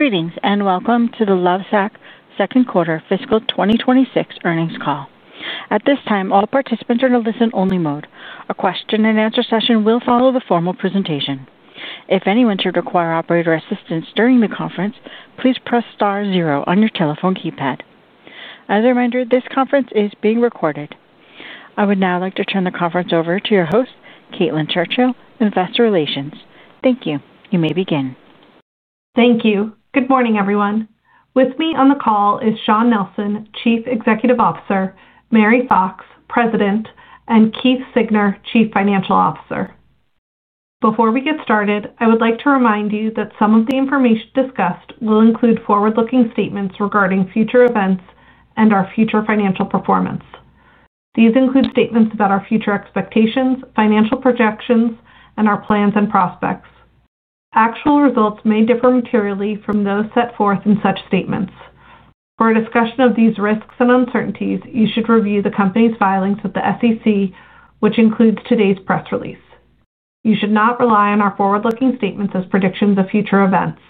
Greetings and welcome to The Lovesac Company Second Quarter Fiscal 2026 earnings call. At this time, all participants are in a listen-only mode. A question and answer session will follow the formal presentation. If anyone should require operator assistance during the conference, please press star zero on your telephone keypad. As a reminder, this conference is being recorded. I would now like to turn the conference over to your host, Caitlin Churchill, Investor Relations. Thank you. You may begin. Thank you. Good morning, everyone. With me on the call is Shawn Nelson, Chief Executive Officer, Mary Fox, President, and Keith Siegner, Chief Financial Officer. Before we get started, I would like to remind you that some of the information discussed will include forward-looking statements regarding future events and our future financial performance. These include statements about our future expectations, financial projections, and our plans and prospects. Actual results may differ materially from those set forth in such statements. For a discussion of these risks and uncertainties, you should review the company's filings with the SEC, which includes today's press release. You should not rely on our forward-looking statements as predictions of future events.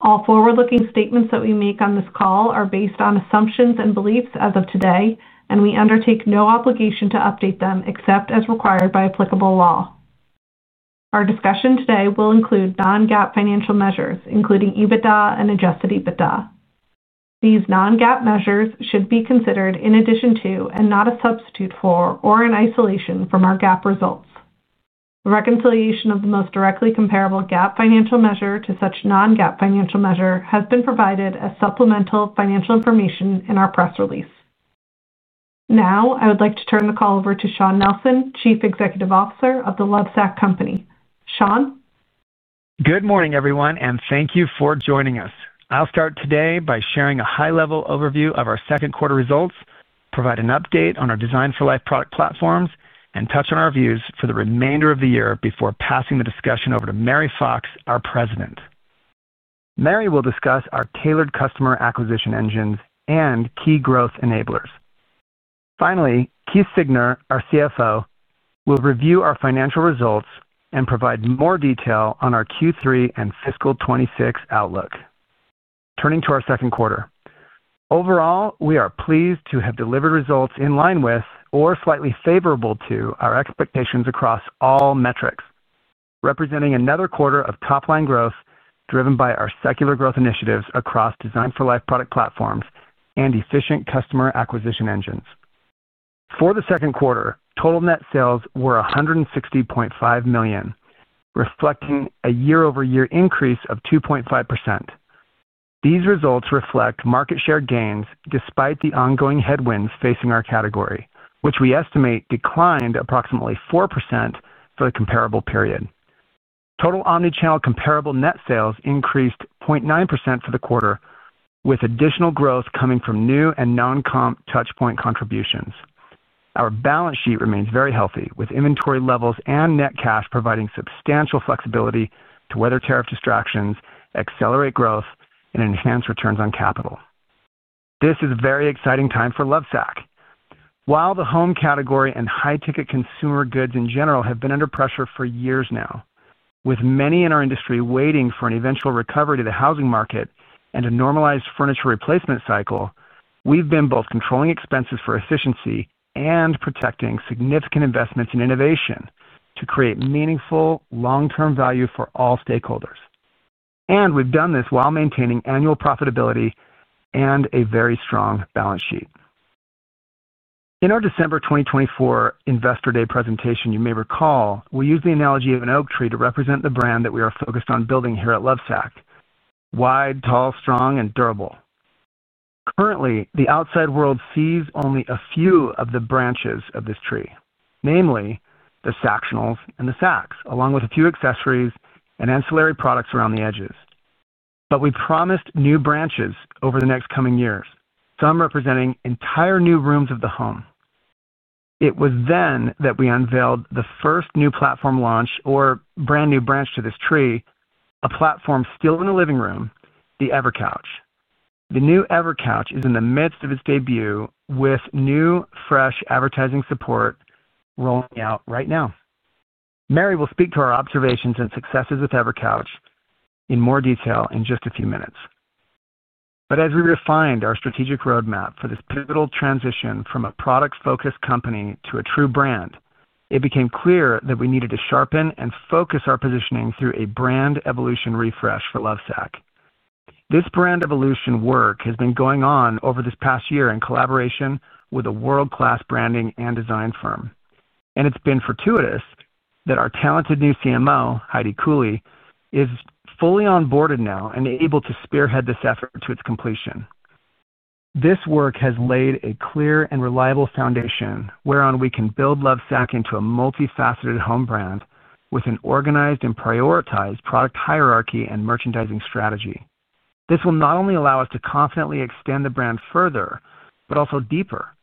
All forward-looking statements that we make on this call are based on assumptions and beliefs as of today, and we undertake no obligation to update them except as required by applicable law. Our discussion today will include non-GAAP financial measures, including EBITDA and adjusted EBITDA. These non-GAAP measures should be considered in addition to, and not as a substitute for, or in isolation from our GAAP results. Reconciliation of the most directly comparable GAAP financial measure to such a non-GAAP financial measure has been provided as supplemental financial information in our press release. Now, I would like to turn the call over to Shawn Nelson, Chief Executive Officer of The Lovesac Company. Shawn? Good morning, everyone, and thank you for joining us. I'll start today by sharing a high-level overview of our second quarter results, provide an update on our Design for Life product platforms, and touch on our views for the remainder of the year before passing the discussion over to Mary Fox, our President. Mary will discuss our tailored customer acquisition engines and key growth enablers. Finally, Keith Siegner, our CFO, will review our financial results and provide more detail on our Q3 and Fiscal 2026 outlook. Turning to our second quarter. Overall, we are pleased to have delivered results in line with, or slightly favorable to, our expectations across all metrics, representing another quarter of top-line growth driven by our secular growth initiatives across Design for Life product platforms and efficient customer acquisition engines. For the second quarter, total net sales were $160.5 million, reflecting a year-over-year increase of 2.5%. These results reflect market share gains despite the ongoing headwinds facing our category, which we estimate declined approximately 4% for the comparable period. Total omnichannel comparable net sales increased 0.9% for the quarter, with additional growth coming from new and non-comp touchpoint contributions. Our balance sheet remains very healthy, with inventory levels and net cash providing substantial flexibility to weather tariff distractions, accelerate growth, and enhance returns on capital. This is a very exciting time for The Lovesac Company. While the home category and high-ticket consumer goods in general have been under pressure for years now, with many in our industry waiting for an eventual recovery to the housing market and a normalized furniture replacement cycle, we've been both controlling expenses for efficiency and protecting significant investments in innovation to create meaningful long-term value for all stakeholders. We've done this while maintaining annual profitability and a very strong balance sheet. In our December 2024 Investor Day presentation, you may recall, we used the analogy of an oak tree to represent the brand that we are focused on building here at The Lovesac Company: wide, tall, strong, and durable. Currently, the outside world sees only a few of the branches of this tree, namely the Sactionals and the Sacs, along with a few accessories and ancillary products around the edges. We promised new branches over the next coming years, some representing entire new rooms of the home. It was then that we unveiled the first new platform launch, or brand new branch to this tree, a platform still in the living room, the EverCouch. The new EverCouch is in the midst of its debut, with new, fresh advertising support rolling out right now. Mary will speak to our observations and successes with EverCouch in more detail in just a few minutes. As we refined our strategic roadmap for this pivotal transition from a product-focused company to a true brand, it became clear that we needed to sharpen and focus our positioning through a brand evolution refresh for Lovesac. This brand evolution work has been going on over this past year in collaboration with a world-class branding and design firm. It has been fortuitous that our talented new CMO, Heidi Cooley, is fully onboarded now and able to spearhead this effort to its completion. This work has laid a clear and reliable foundation whereon we can build Lovesac into a multifaceted home brand with an organized and prioritized product hierarchy and merchandising strategy. This will not only allow us to confidently extend the brand further, but also deeper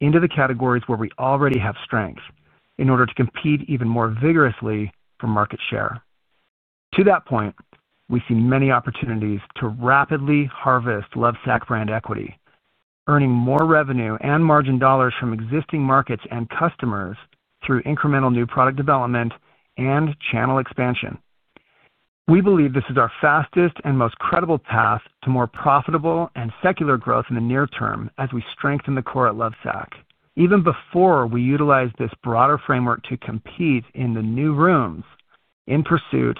into the categories where we already have strength in order to compete even more vigorously for market share. To that point, we see many opportunities to rapidly harvest Lovesac brand equity, earning more revenue and margin dollars from existing markets and customers through incremental new product development and channel expansion. We believe this is our fastest and most credible path to more profitable and secular growth in the near term as we strengthen the core at Lovesac, even before we utilize this broader framework to compete in the new rooms in pursuit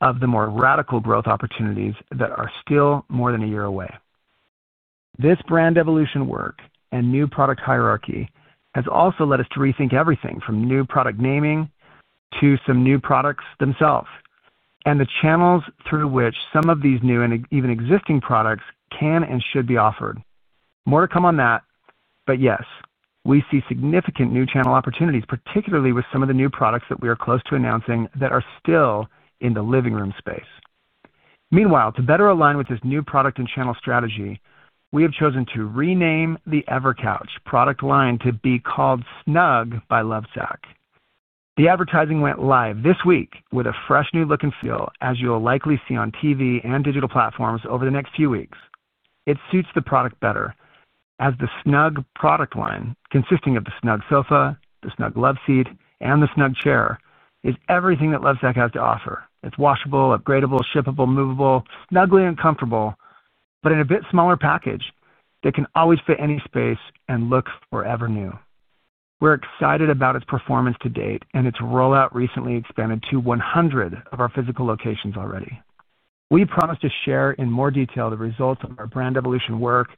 of the more radical growth opportunities that are still more than a year away. This brand evolution work and new product hierarchy has also led us to rethink everything from new product naming to some new products themselves and the channels through which some of these new and even existing products can and should be offered. More to come on that, yet we see significant new channel opportunities, particularly with some of the new products that we are close to announcing that are still in the living room space. Meanwhile, to better align with this new product and channel strategy, we have chosen to rename the EverCouch product line to be called Snugg by Lovesac. The advertising went live this week with a fresh new look and feel, as you'll likely see on TV and digital platforms over the next few weeks. It suits the product better as the Snugg product line, consisting of the Snugg Sofa, the Snugg Love Seat, and the Snugg Chair, is everything that Lovesac has to offer. It's washable, upgradable, shippable, movable, Snuggly and comfortable, but in a bit smaller package that can always fit any space and look forever new. We're excited about its performance to date, and its rollout recently expanded to 100 of our physical locations already. We promise to share in more detail the results of our brand evolution work,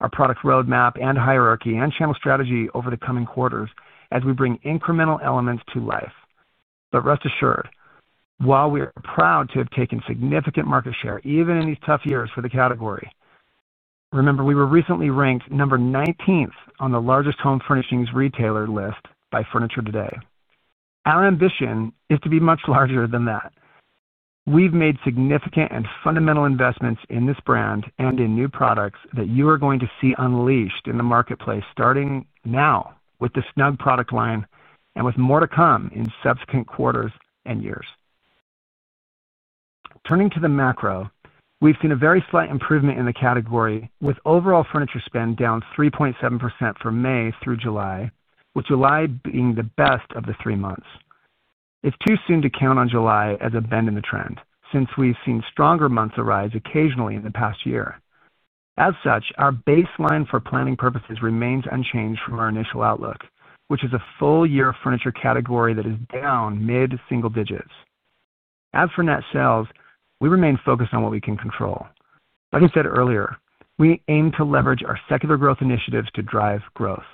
our product roadmap and hierarchy, and channel strategy over the coming quarters as we bring incremental elements to life. Rest assured, while we are proud to have taken significant market share, even in these tough years for the category, remember we were recently ranked number 19 on the largest home furnishings retailer list by Furniture Today. Our ambition is to be much larger than that. We've made significant and fundamental investments in this brand and in new products that you are going to see unleashed in the marketplace starting now with the Snugg product line and with more to come in subsequent quarters and years. Turning to the macro, we've seen a very slight improvement in the category, with overall furniture spend down 3.7% from May through July, with July being the best of the three months. It's too soon to count on July as a bend in the trend, since we've seen stronger months arise occasionally in the past year. As such, our baseline for planning purposes remains unchanged from our initial outlook, which is a full-year furniture category that is down mid-single digits. As for net sales, we remain focused on what we can control. Like I said earlier, we aim to leverage our secular growth initiatives to drive growth.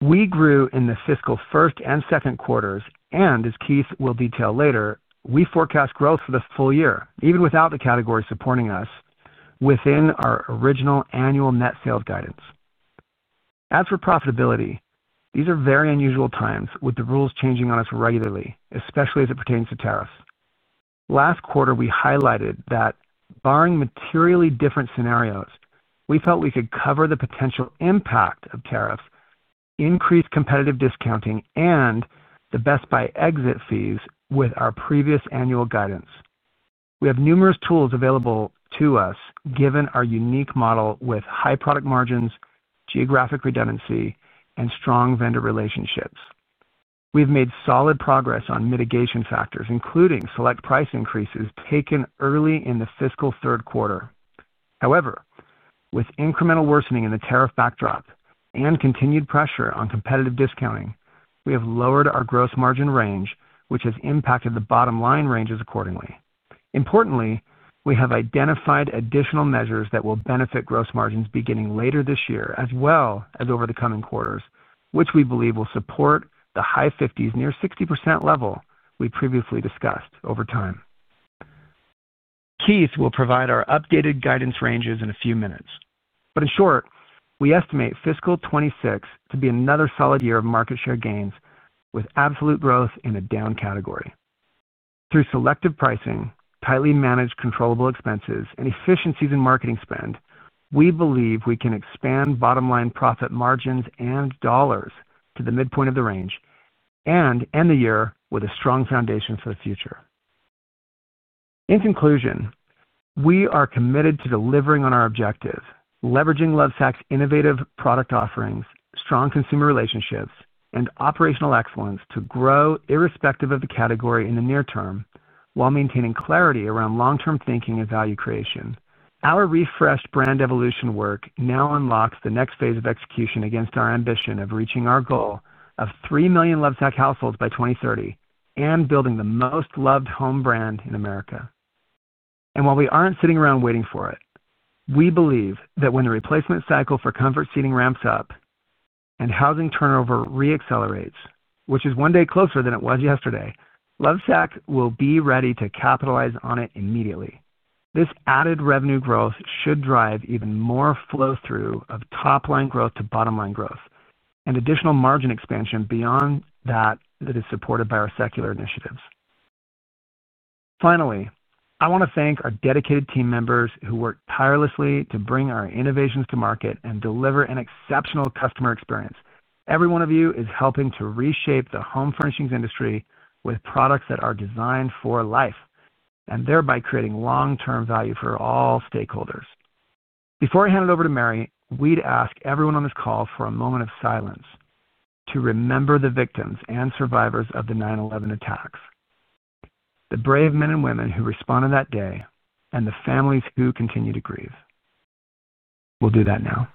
We grew in the fiscal first and second quarters, and as Keith will detail later, we forecast growth for the full year, even without the category supporting us, within our original annual net sales guidance. As for profitability, these are very unusual times with the rules changing on us regularly, especially as it pertains to tariffs. Last quarter, we highlighted that, barring materially different scenarios, we felt we could cover the potential impact of tariffs, increased competitive discounting, and the Best Buy exit fees with our previous annual guidance. We have numerous tools available to us, given our unique model with high product margins, geographic redundancy, and strong vendor relationships. We've made solid progress on mitigation factors, including select price increases taken early in the fiscal third quarter. However, with incremental worsening in the tariff backdrop and continued pressure on competitive discounting, we have lowered our gross margin range, which has impacted the bottom line ranges accordingly. Importantly, we have identified additional measures that will benefit gross margins beginning later this year, as well as over the coming quarters, which we believe will support the high 50%, near 60% level we previously discussed over time. Keith will provide our updated guidance ranges in a few minutes. In short, we estimate Fiscal 2026 to be another solid year of market share gains, with absolute growth in a down category. Through selective pricing, tightly managed controllable expenses, and efficiencies in marketing spend, we believe we can expand bottom line profit margins and dollars to the midpoint of the range and end the year with a strong foundation for the future. In conclusion, we are committed to delivering on our objectives, leveraging Lovesac's innovative product offerings, strong consumer relationships, and operational excellence to grow irrespective of the category in the near term while maintaining clarity around long-term thinking and value creation. Our refreshed brand evolution work now unlocks the next phase of execution against our ambition of reaching our goal of 3 million Lovesac households by 2030 and building the most loved home brand in America. While we aren't sitting around waiting for it, we believe that when the replacement cycle for comfort seating ramps up and housing turnover reaccelerates, which is one day closer than it was yesterday, Lovesac will be ready to capitalize on it immediately. This added revenue growth should drive even more flow-through of top-line growth to bottom line growth and additional margin expansion beyond that that is supported by our secular initiatives. Finally, I want to thank our dedicated team members who work tirelessly to bring our innovations to market and deliver an exceptional customer experience. Every one of you is helping to reshape the home furnishings industry with products that are designed for life and thereby creating long-term value for all stakeholders. Before I hand it over to Mary, we'd ask everyone on this call for a moment of silence to remember the victims and survivors of the 9/11 attacks, the brave men and women who responded that day, and the families who continue to grieve. We'll do that now.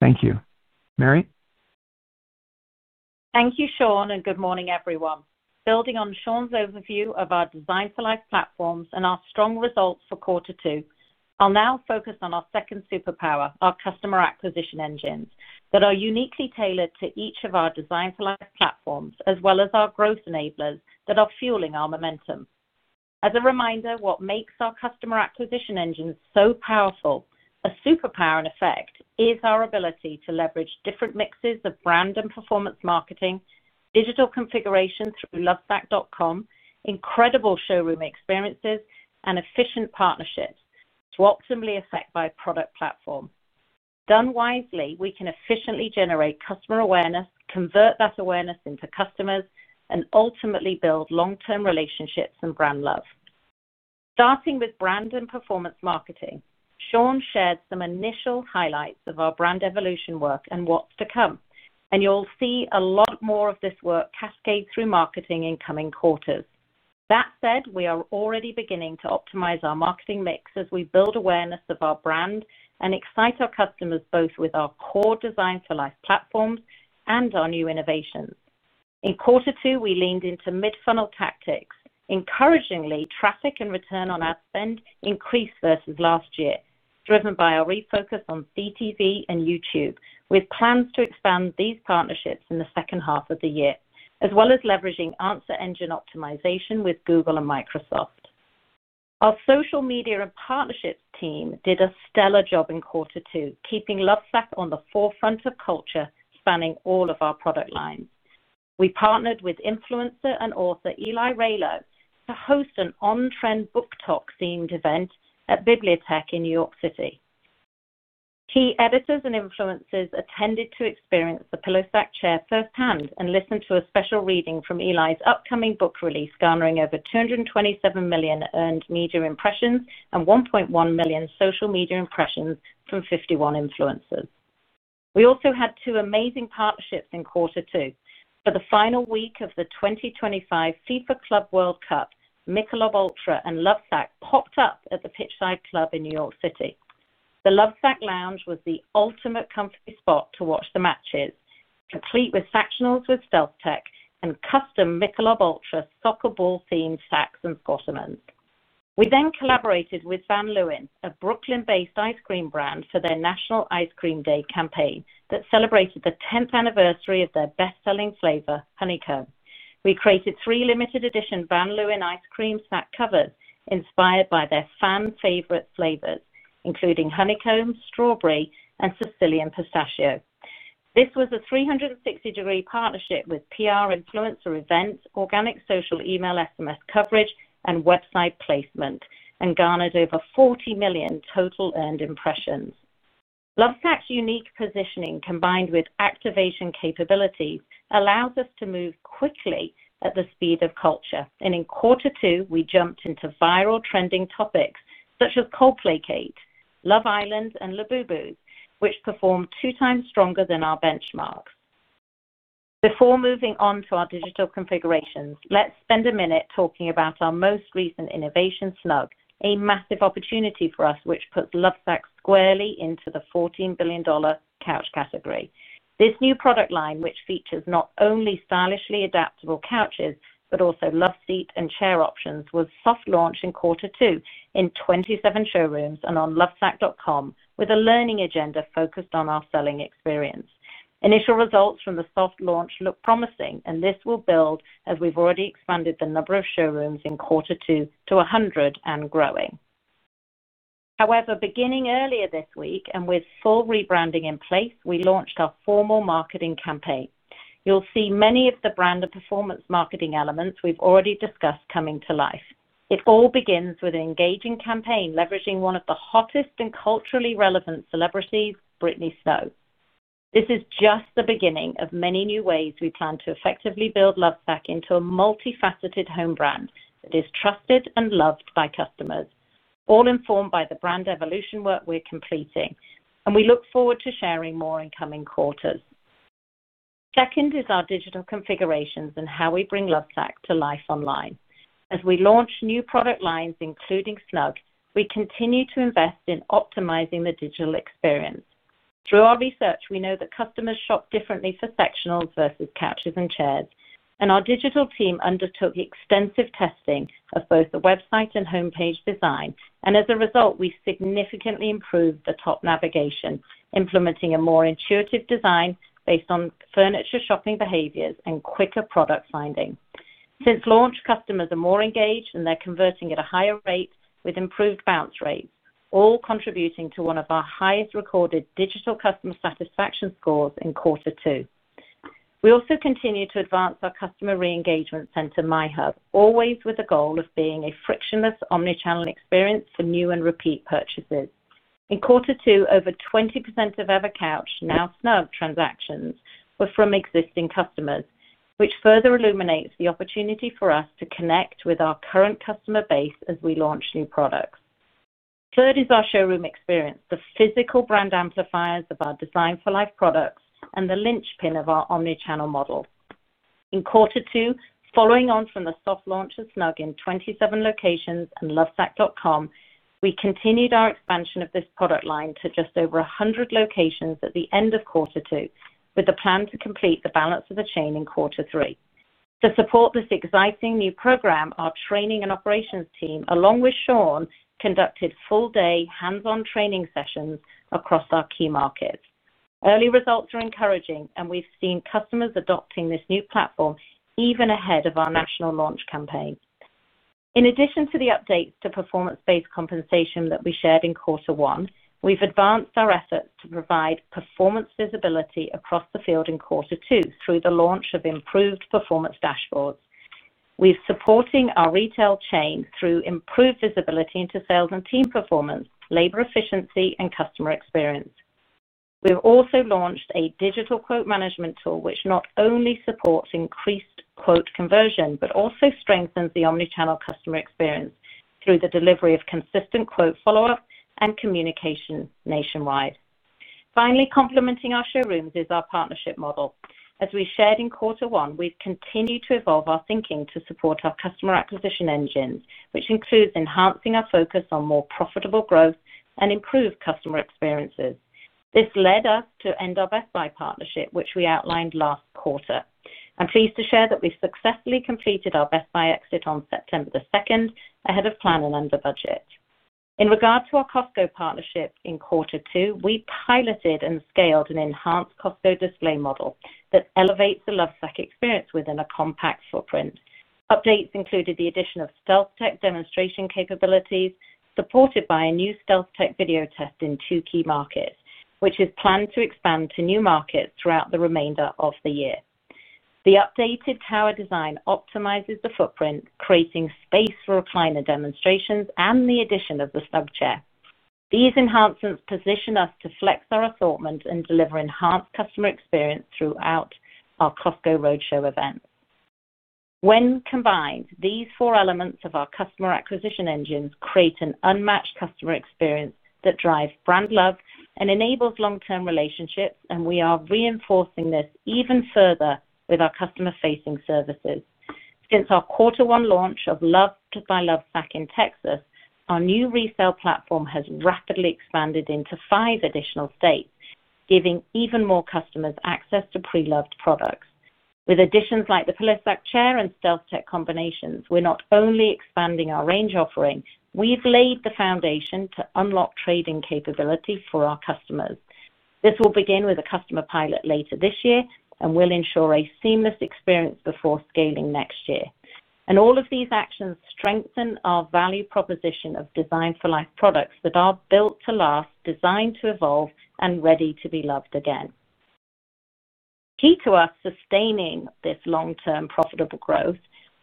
Thank you. Mary? Thank you, Shawn, and good morning, everyone. Building on Shawn's overview of our Design for Life platforms and our strong results for quarter two, I'll now focus on our second superpower, our customer acquisition engines that are uniquely tailored to each of our Design for Life platforms, as well as our growth enablers that are fueling our momentum. As a reminder, what makes our customer acquisition engines so powerful, a superpower in effect, is our ability to leverage different mixes of brand and performance marketing, digital configuration through lovesac.com, incredible showroom experiences, and efficient partnerships to optimally affect my product platform. Done wisely, we can efficiently generate customer awareness, convert that awareness into customers, and ultimately build long-term relationships and brand love. Starting with brand and performance marketing, Shawn shared some initial highlights of our brand evolution work and what's to come, and you'll see a lot more of this work cascade through marketing in coming quarters. That said, we are already beginning to optimize our marketing mix as we build awareness of our brand and excite our customers both with our core Design for Life platforms and our new innovations. In quarter two, we leaned into mid-funnel tactics. Encouragingly, traffic and return on ad spend increased versus last year, driven by our refocus on CTV and YouTube, with plans to expand these partnerships in the second half of the year, as well as leveraging answer engine optimization with Google and Microsoft. Our social media and partnerships team did a stellar job in quarter two, keeping Lovesac on the forefront of culture spanning all of our product lines. We partnered with influencer and author Eli Rallo to host an on-trend book talk-themed event at Bibliotheque in New York City. Key editors and influencers attended to experience the PillowSac Accent Chair Frame firsthand and listened to a special reading from Eli's upcoming book release, garnering over 227 million earned media impressions and 1.1 million social media impressions from 51 influencers. We also had two amazing partnerships in quater two. For the final week of the 2025 FIFA Club World Cup, Michelob Ultra and Lovesac popped up at the Pitchside Club in New York City. The Lovesac Lounge was the ultimate comfy spot to watch the matches, complete with Sactionals with StealthTech and custom Michelob Ultra soccer ball-themed Sacs and Squattomans. We then collaborated with Van Leeuwen, a Brooklyn-based ice cream brand, for their National Ice Cream Day campaign that celebrated the 10th anniversary of their best-selling flavor, Honeycomb. We created three limited edition Van Leeuwen ice cream snack covers inspired by their fan-favorite flavors, including Honeycomb, Strawberry, and Sicilian Pistachio. This was a 360-degree partnership with PR, influencer events, organic social, email, SMS coverage, and website placement, and garnered over 40 million total earned impressions. Lovesac's unique positioning, combined with activation capabilities, allows us to move quickly at the speed of culture. In quarter two, we jumped into viral trending topics such as Coldplay Cake, Love Island, and Labubu, which performed two times stronger than our benchmark. Before moving on to our digital configurations, let's spend a minute talking about our most recent innovation, Snugg, a massive opportunity for us, which puts Lovesac squarely into the $14 billion couch category. This new product line, which features not only stylishly adaptable couches but also love seat and chair options, was a soft launch in quarter two in 27 showrooms and on lovesac.com, with a learning agenda focused on our selling experience. Initial results from the soft launch look promising, and this will build, as we've already expanded the number of showrooms in quarter two to 100 and growing. However, beginning earlier this week and with full rebranding in place, we launched our formal marketing campaign. You'll see many of the brand and performance marketing elements we've already discussed coming to life. It all begins with an engaging campaign leveraging one of the hottest and culturally relevant celebrities, Britney Snow. This is just the beginning of many new ways we plan to effectively build Lovesac into a multifaceted home brand that is trusted and loved by customers, all informed by the brand evolution work we're completing, and we look forward to sharing more in coming quarters. Second is our digital configurations and how we bring Lovesac to life online. As we launch new product lines, including Snugg, we continue to invest in optimizing the digital experience. Through our research, we know that customers shop differently for sectionals versus couches and chairs, and our digital team undertook extensive testing of both the website and homepage design. As a result, we significantly improved the top navigation, implementing a more intuitive design based on furniture shopping behaviors and quicker product finding. Since launch, customers are more engaged, and they're converting at a higher rate with improved bounce rates, all contributing to one of our highest recorded digital customer satisfaction scores in quarter two. We also continue to advance our customer re-engagement center, My Hub, always with the goal of being a frictionless omnichannel experience for new and repeat purchases. In quarter two, over 20% of EverCouch, now Snugg, transactions were from existing customers, which further illuminates the opportunity for us to connect with our current customer base as we launch new products. Third is our showroom experience, the physical brand amplifiers of our Design for Life products and the linchpin of our omnichannel model. In quarter two, following on from the soft launch of Snugg in 27 locations and lovesac.com, we continued our expansion of this product line to just over 100 locations at the end of quarter two, with the plan to complete the balance of the chain in quarter three. To support this exciting new program, our training and operations team, along with Shawn, conducted full-day hands-on training sessions across our key markets. Early results are encouraging, and we've seen customers adopting this new platform even ahead of our national launch campaign. In addition to the updates to performance-based compensation that we shared in quarter one, we've advanced our efforts to provide performance visibility across the field in quarter two through the launch of improved performance dashboards. We're supporting our retail chain through improved visibility into sales and team performance, labor efficiency, and customer experience. We've also launched a digital quote management tool, which not only supports increased quote conversion but also strengthens the omnichannel customer experience through the delivery of consistent quote follow-up and communication nationwide. Finally, complementing our showrooms is our partnership model. As we shared in Q1, we've continued to evolve our thinking to support our customer acquisition engines, which includes enhancing our focus on more profitable growth and improved customer experiences. This led us to end our Best Buy partnership, which we outlined last quarter. I'm pleased to share that we've successfully completed our Best Buy exit on September 2nd, ahead of plan and under budget. In regard to our Costco partnership in quarter two, we piloted and scaled an enhanced Costco display model that elevates the Lovesac experience within a compact footprint. Updates included the addition of StealthTech demonstration capabilities, supported by a new StealthTech video test in two key markets, which is planned to expand to new markets throughout the remainder of the year. The updated tower design optimizes the footprint, creating space for recliner demonstrations and the addition of the Stub Chair. These enhancements position us to flex our assortment and deliver enhanced customer experience throughout our Costco roadshow event. When combined, these four elements of our customer acquisition engines create an unmatched customer experience that drives brand love and enables long-term relationships, and we are reinforcing this even further with our customer-facing services. Since our quarter one launch of Loved by Lovesac in Texas, our new resale platform has rapidly expanded into five additional states, giving even more customers access to pre-loved products. With additions like the PillowSac Accent Chair Frame and StealthTech combinations, we're not only expanding our range offering, we've laid the foundation to unlock trading capability for our customers. This will begin with a customer pilot later this year and will ensure a seamless experience before scaling next year. All of these actions strengthen our value proposition of Design for Life products that are built to last, designed to evolve, and ready to be loved again. Key to us sustaining this long-term profitable growth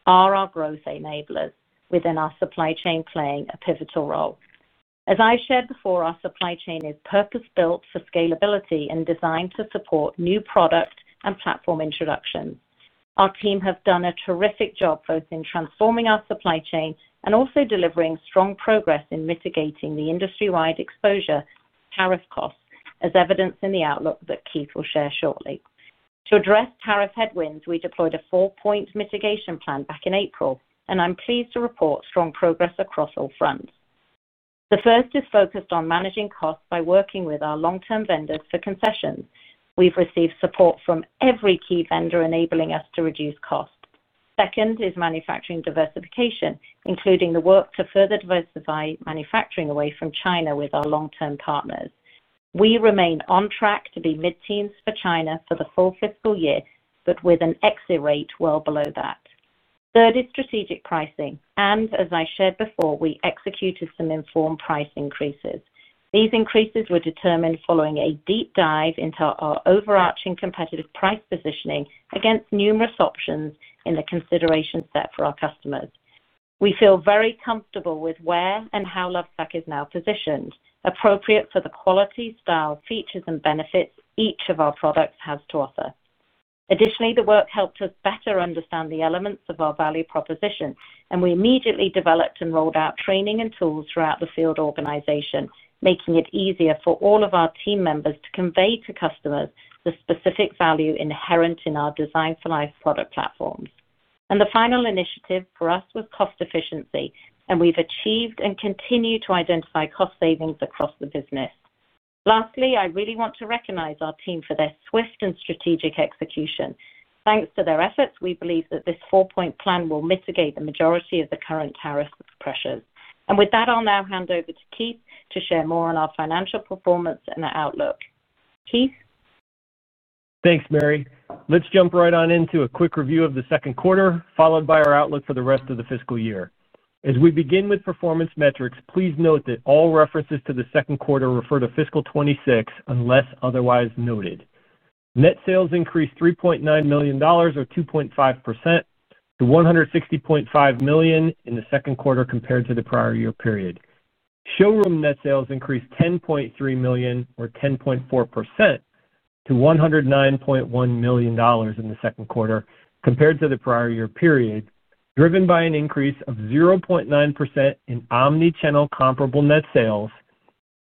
are our growth enablers, within our supply chain playing a pivotal role. As I shared before, our supply chain is purpose-built for scalability and designed to support new product and platform introductions. Our team has done a terrific job both in transforming our supply chain and also delivering strong progress in mitigating the industry-wide exposure to tariff costs, as evidenced in the outlook that Keith will share shortly. To address tariff headwinds, we deployed a four-point mitigation plan back in April, and I'm pleased to report strong progress across all fronts. The first is focused on managing costs by working with our long-term vendors for concessions. We've received support from every key vendor, enabling us to reduce costs. Second is manufacturing diversification, including the work to further diversify manufacturing away from China with our long-term partners. We remain on track to be mid-teens for China for the full fiscal year, with an exit rate well below that. Third is strategic pricing, and as I shared before, we executed some informed price increases. These increases were determined following a deep dive into our overarching competitive price positioning against numerous options in the consideration set for our customers. We feel very comfortable with where and how Lovesac is now positioned, appropriate for the quality, style, features, and benefits each of our products has to offer. Additionally, the work helped us better understand the elements of our value proposition, and we immediately developed and rolled out training and tools throughout the field organization, making it easier for all of our team members to convey to customers the specific value inherent in our Design for Life product platforms. The final initiative for us was cost efficiency, and we've achieved and continue to identify cost savings across the business. Lastly, I really want to recognize our team for their swift and strategic execution. Thanks to their efforts, we believe that this four-point plan will mitigate the majority of the current tariff pressures. With that, I'll now hand over to Keith to share more on our financial performance and our outlook. Keith? Thanks, Mary. Let's jump right on into a quick review of the second quarter, followed by our outlook for the rest of the fiscal year. As we begin with performance metrics, please note that all references to the second quarter refer to Fiscal 2026 unless otherwise noted. Net sales increased $3.9 million, or 2.5%, to $160.5 million in the second quarter compared to the prior year period. Showroom net sales increased $10.3 million, or 10.4%, to $109.1 million in the second quarter compared to the prior year period, driven by an increase of 0.9% in omnichannel comparable net sales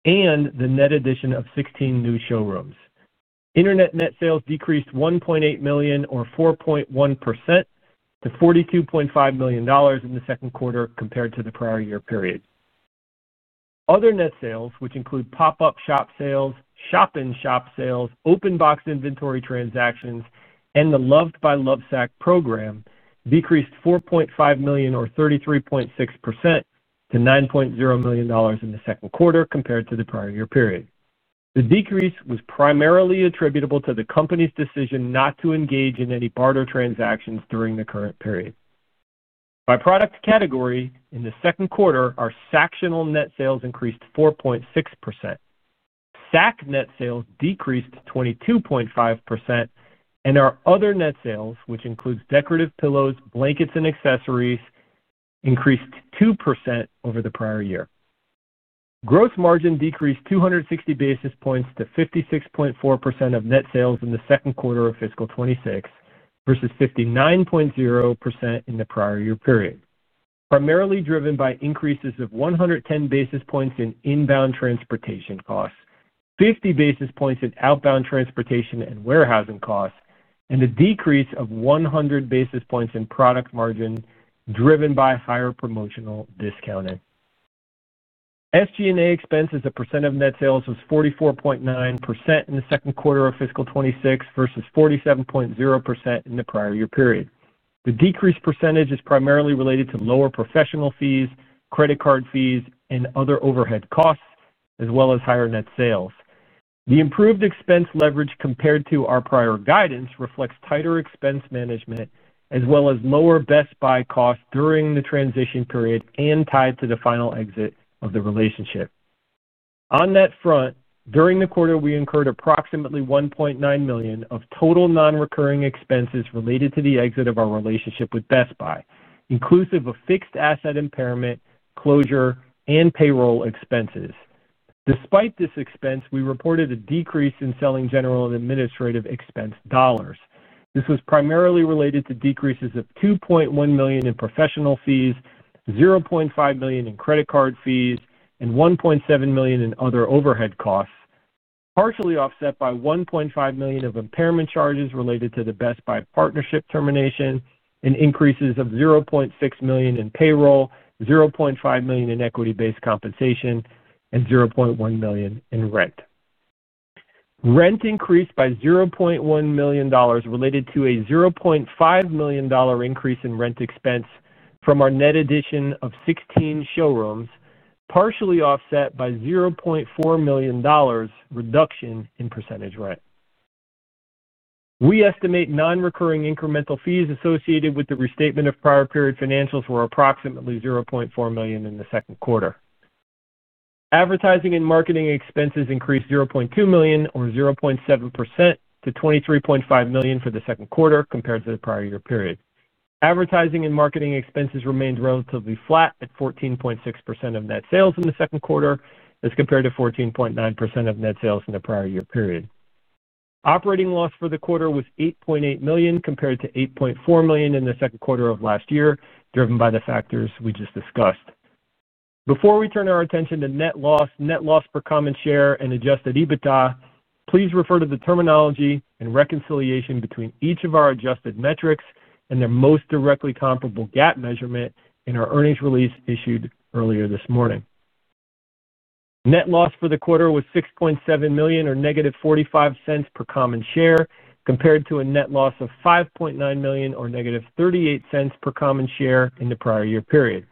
and the net addition of 16 new showrooms. Internet net sales decreased $1.8 million, or 4.1%, to $42.5 million in the second quarter compared to the prior year period. Other net sales, which include pop-up shop sales, shop-in-shop sales, open box inventory transactions, and the Loved by Lovesac program, decreased $4.5 million, or 33.6%, to $9.0 million in the second quarter compared to the prior year period. The decrease was primarily attributable to the company's decision not to engage in any BARTER transactions during the current period. By product category, in the second quarter, our Sactionals net sales increased 4.6%. Sac net sales decreased 22.5%, and our other net sales, which includes decorative pillows, blankets, and accessories, increased 2% over the prior year. Gross margin decreased 260 basis points to 56.4% of net sales in the second quarter of Fiscal 2026 versus 59.0% in the prior year period, primarily driven by increases of 110 basis points in inbound transportation costs, 50 basis points in outbound transportation and warehousing costs, and a decrease of 100 basis points in product margin driven by higher promotional discounting. SG&A expenses, as a percent of net sales, was 44.9% in the second quarter of Fiscal 2026 versus 47.0% in the prior year period. The decreased percentage is primarily related to lower professional fees, credit card fees, and other overhead costs, as well as higher net sales. The improved expense leverage compared to our prior guidance reflects tighter expense management, as well as lower Best Buy costs during the transition period and tied to the final exit of the relationship. During the quarter, we incurred approximately $1.9 million of total non-recurring expenses related to the exit of our relationship with Best Buy, inclusive of fixed asset impairment, closure, and payroll expenses. Despite this expense, we reported a decrease in selling, general, and administrative expense dollars. This was primarily related to decreases of $2.1 million in professional fees, $0.5 million in credit card fees, and $1.7 million in other overhead costs, partially offset by $1.5 million of impairment charges related to the Best Buy partnership termination and increases of $0.6 million in payroll, $0.5 million in equity-based compensation, and $0.1 million in rent. Rent increased by $0.1 million related to a $0.5 million increase in rent expense from our net addition of 16 showrooms, partially offset by a $0.4 million reduction in percentage rent. We estimate non-recurring incremental fees associated with the restatement of prior period financials were approximately $0.4 million in the second quarter. Advertising and marketing expenses increased $0.2 million, or 0.7%, to $23.5 million for the second quarter compared to the prior year period. Advertising and marketing expenses remained relatively flat at 14.6% of net sales in the second quarter, as compared to 14.9% of net sales in the prior year period. Operating loss for the quarter was $8.8 million compared to $8.4 million in the second quarter of last year, driven by the factors we just discussed. Before we turn our attention to net loss, net loss per common share, and adjusted EBITDA, please refer to the terminology and reconciliation between each of our adjusted metrics and their most directly comparable GAAP measurement in our earnings release issued earlier this morning. Net loss for the quarter was $6.7 million, or -$0.45 per common share, compared to a net loss of $5.9 million, or -$0.38 per common share in the prior year period.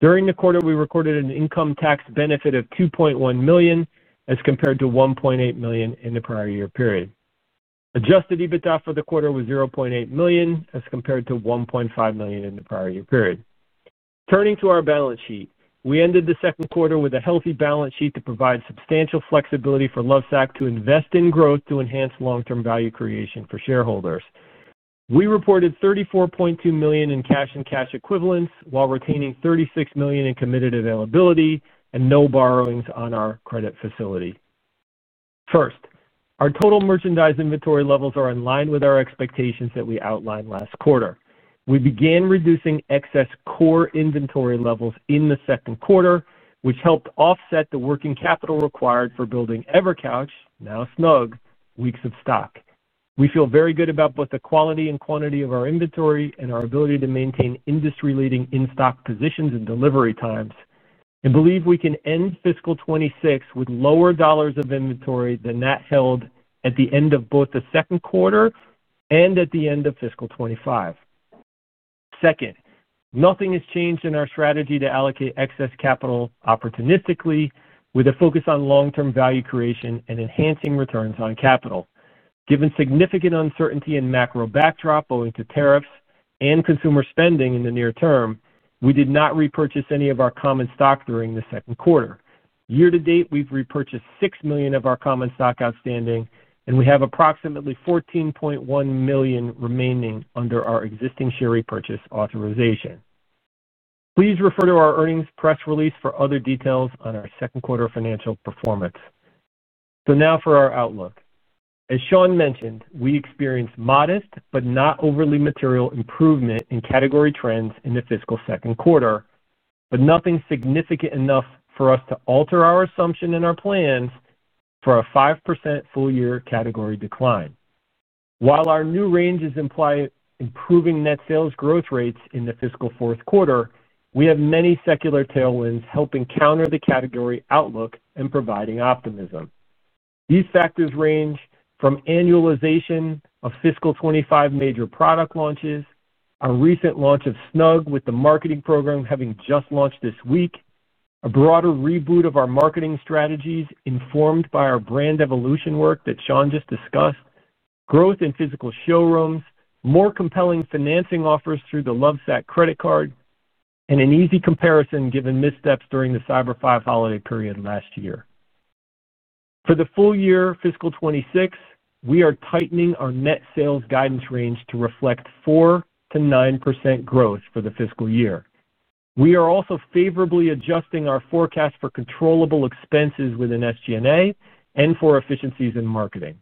During the quarter, we recorded an income tax benefit of $2.1 million as compared to $1.8 million in the prior year period. Adjusted EBITDA for the quarter was $0.8 million as compared to $1.5 million in the prior year period. Turning to our balance sheet, we ended the second quarter with a healthy balance sheet to provide substantial flexibility for Lovesac to invest in growth to enhance long-term value creation for shareholders. We reported $34.2 million in cash and cash equivalents while retaining $36 million in committed availability and no borrowings on our credit facility. First, our total merchandise inventory levels are in line with our expectations that we outlined last quarter. We began reducing excess core inventory levels in the second quarter, which helped offset the working capital required for building EverCouch, now Snugg, weeks of stock. We feel very good about both the quality and quantity of our inventory and our ability to maintain industry-leading in-stock positions and delivery times, and believe we can end Fiscal 2026 with lower dollars of inventory than that held at the end of both the second quarter and at the end of Fiscal 2025. Second, nothing has changed in our strategy to allocate excess capital opportunistically with a focus on long-term value creation and enhancing returns on capital. Given significant uncertainty and macro backdrop owing to tariffs and consumer spending in the near term, we did not repurchase any of our common stock during the second quarter. Year to date, we've repurchased $6 million of our common stock outstanding, and we have approximately $14.1 million remaining under our existing share repurchase authorization. Please refer to our earnings press release for other details on our second quarter financial performance. For our outlook, as Shawn mentioned, we experienced modest but not overly material improvement in category trends in the fiscal second quarter, but nothing significant enough for us to alter our assumption in our plans for a 5% full-year category decline. While our new ranges imply improving net sales growth rates in the fiscal fourth quarter, we have many secular tailwinds helping counter the category outlook and providing optimism. These factors range from annualization of Fiscal 2025 major product launches, our recent launch of Snugg with the marketing program having just launched this week, a broader reboot of our marketing strategies informed by our brand evolution work that Shawn just discussed, growth in physical showrooms, more compelling financing offers through the Lovesac credit card, and an easy comparison given missteps during the Cyber Five holiday period last year. For the full year Fiscal 2026, we are tightening our net sales guidance range to reflect 4% - 9% growth for the fiscal year. We are also favorably adjusting our forecast for controllable expenses within SG&A and for efficiencies in marketing.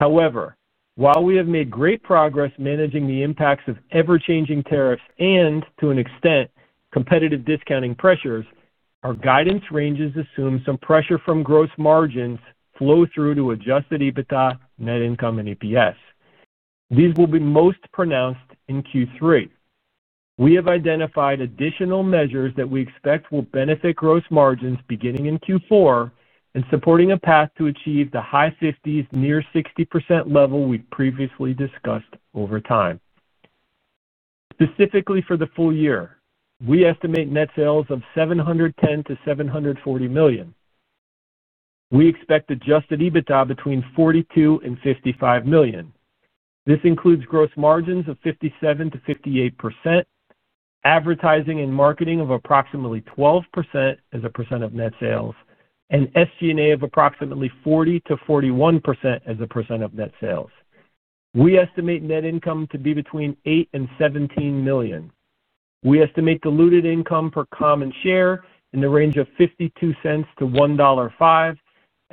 However, while we have made great progress managing the impacts of ever-changing tariffs and, to an extent, competitive discounting pressures, our guidance ranges assume some pressure from gross margins flow-through to adjusted EBITDA, net income, and EPS. These will be most pronounced in Q3. We have identified additional measures that we expect will benefit gross margins beginning in Q4 and supporting a path to achieve the high 50s, near 60% level we previously discussed over time. Specifically for the full year, we estimate net sales of $710 million - $740 million. We expect adjusted EBITDA between $42 and $55 million. This includes gross margins of 57% - 58%, advertising and marketing of approximately 12% as a % of net sales, and SG&A of approximately 40% - 41% as a % of net sales. We estimate net income to be between $8 million and $17 million. We estimate diluted income per common share in the range of $0.52 -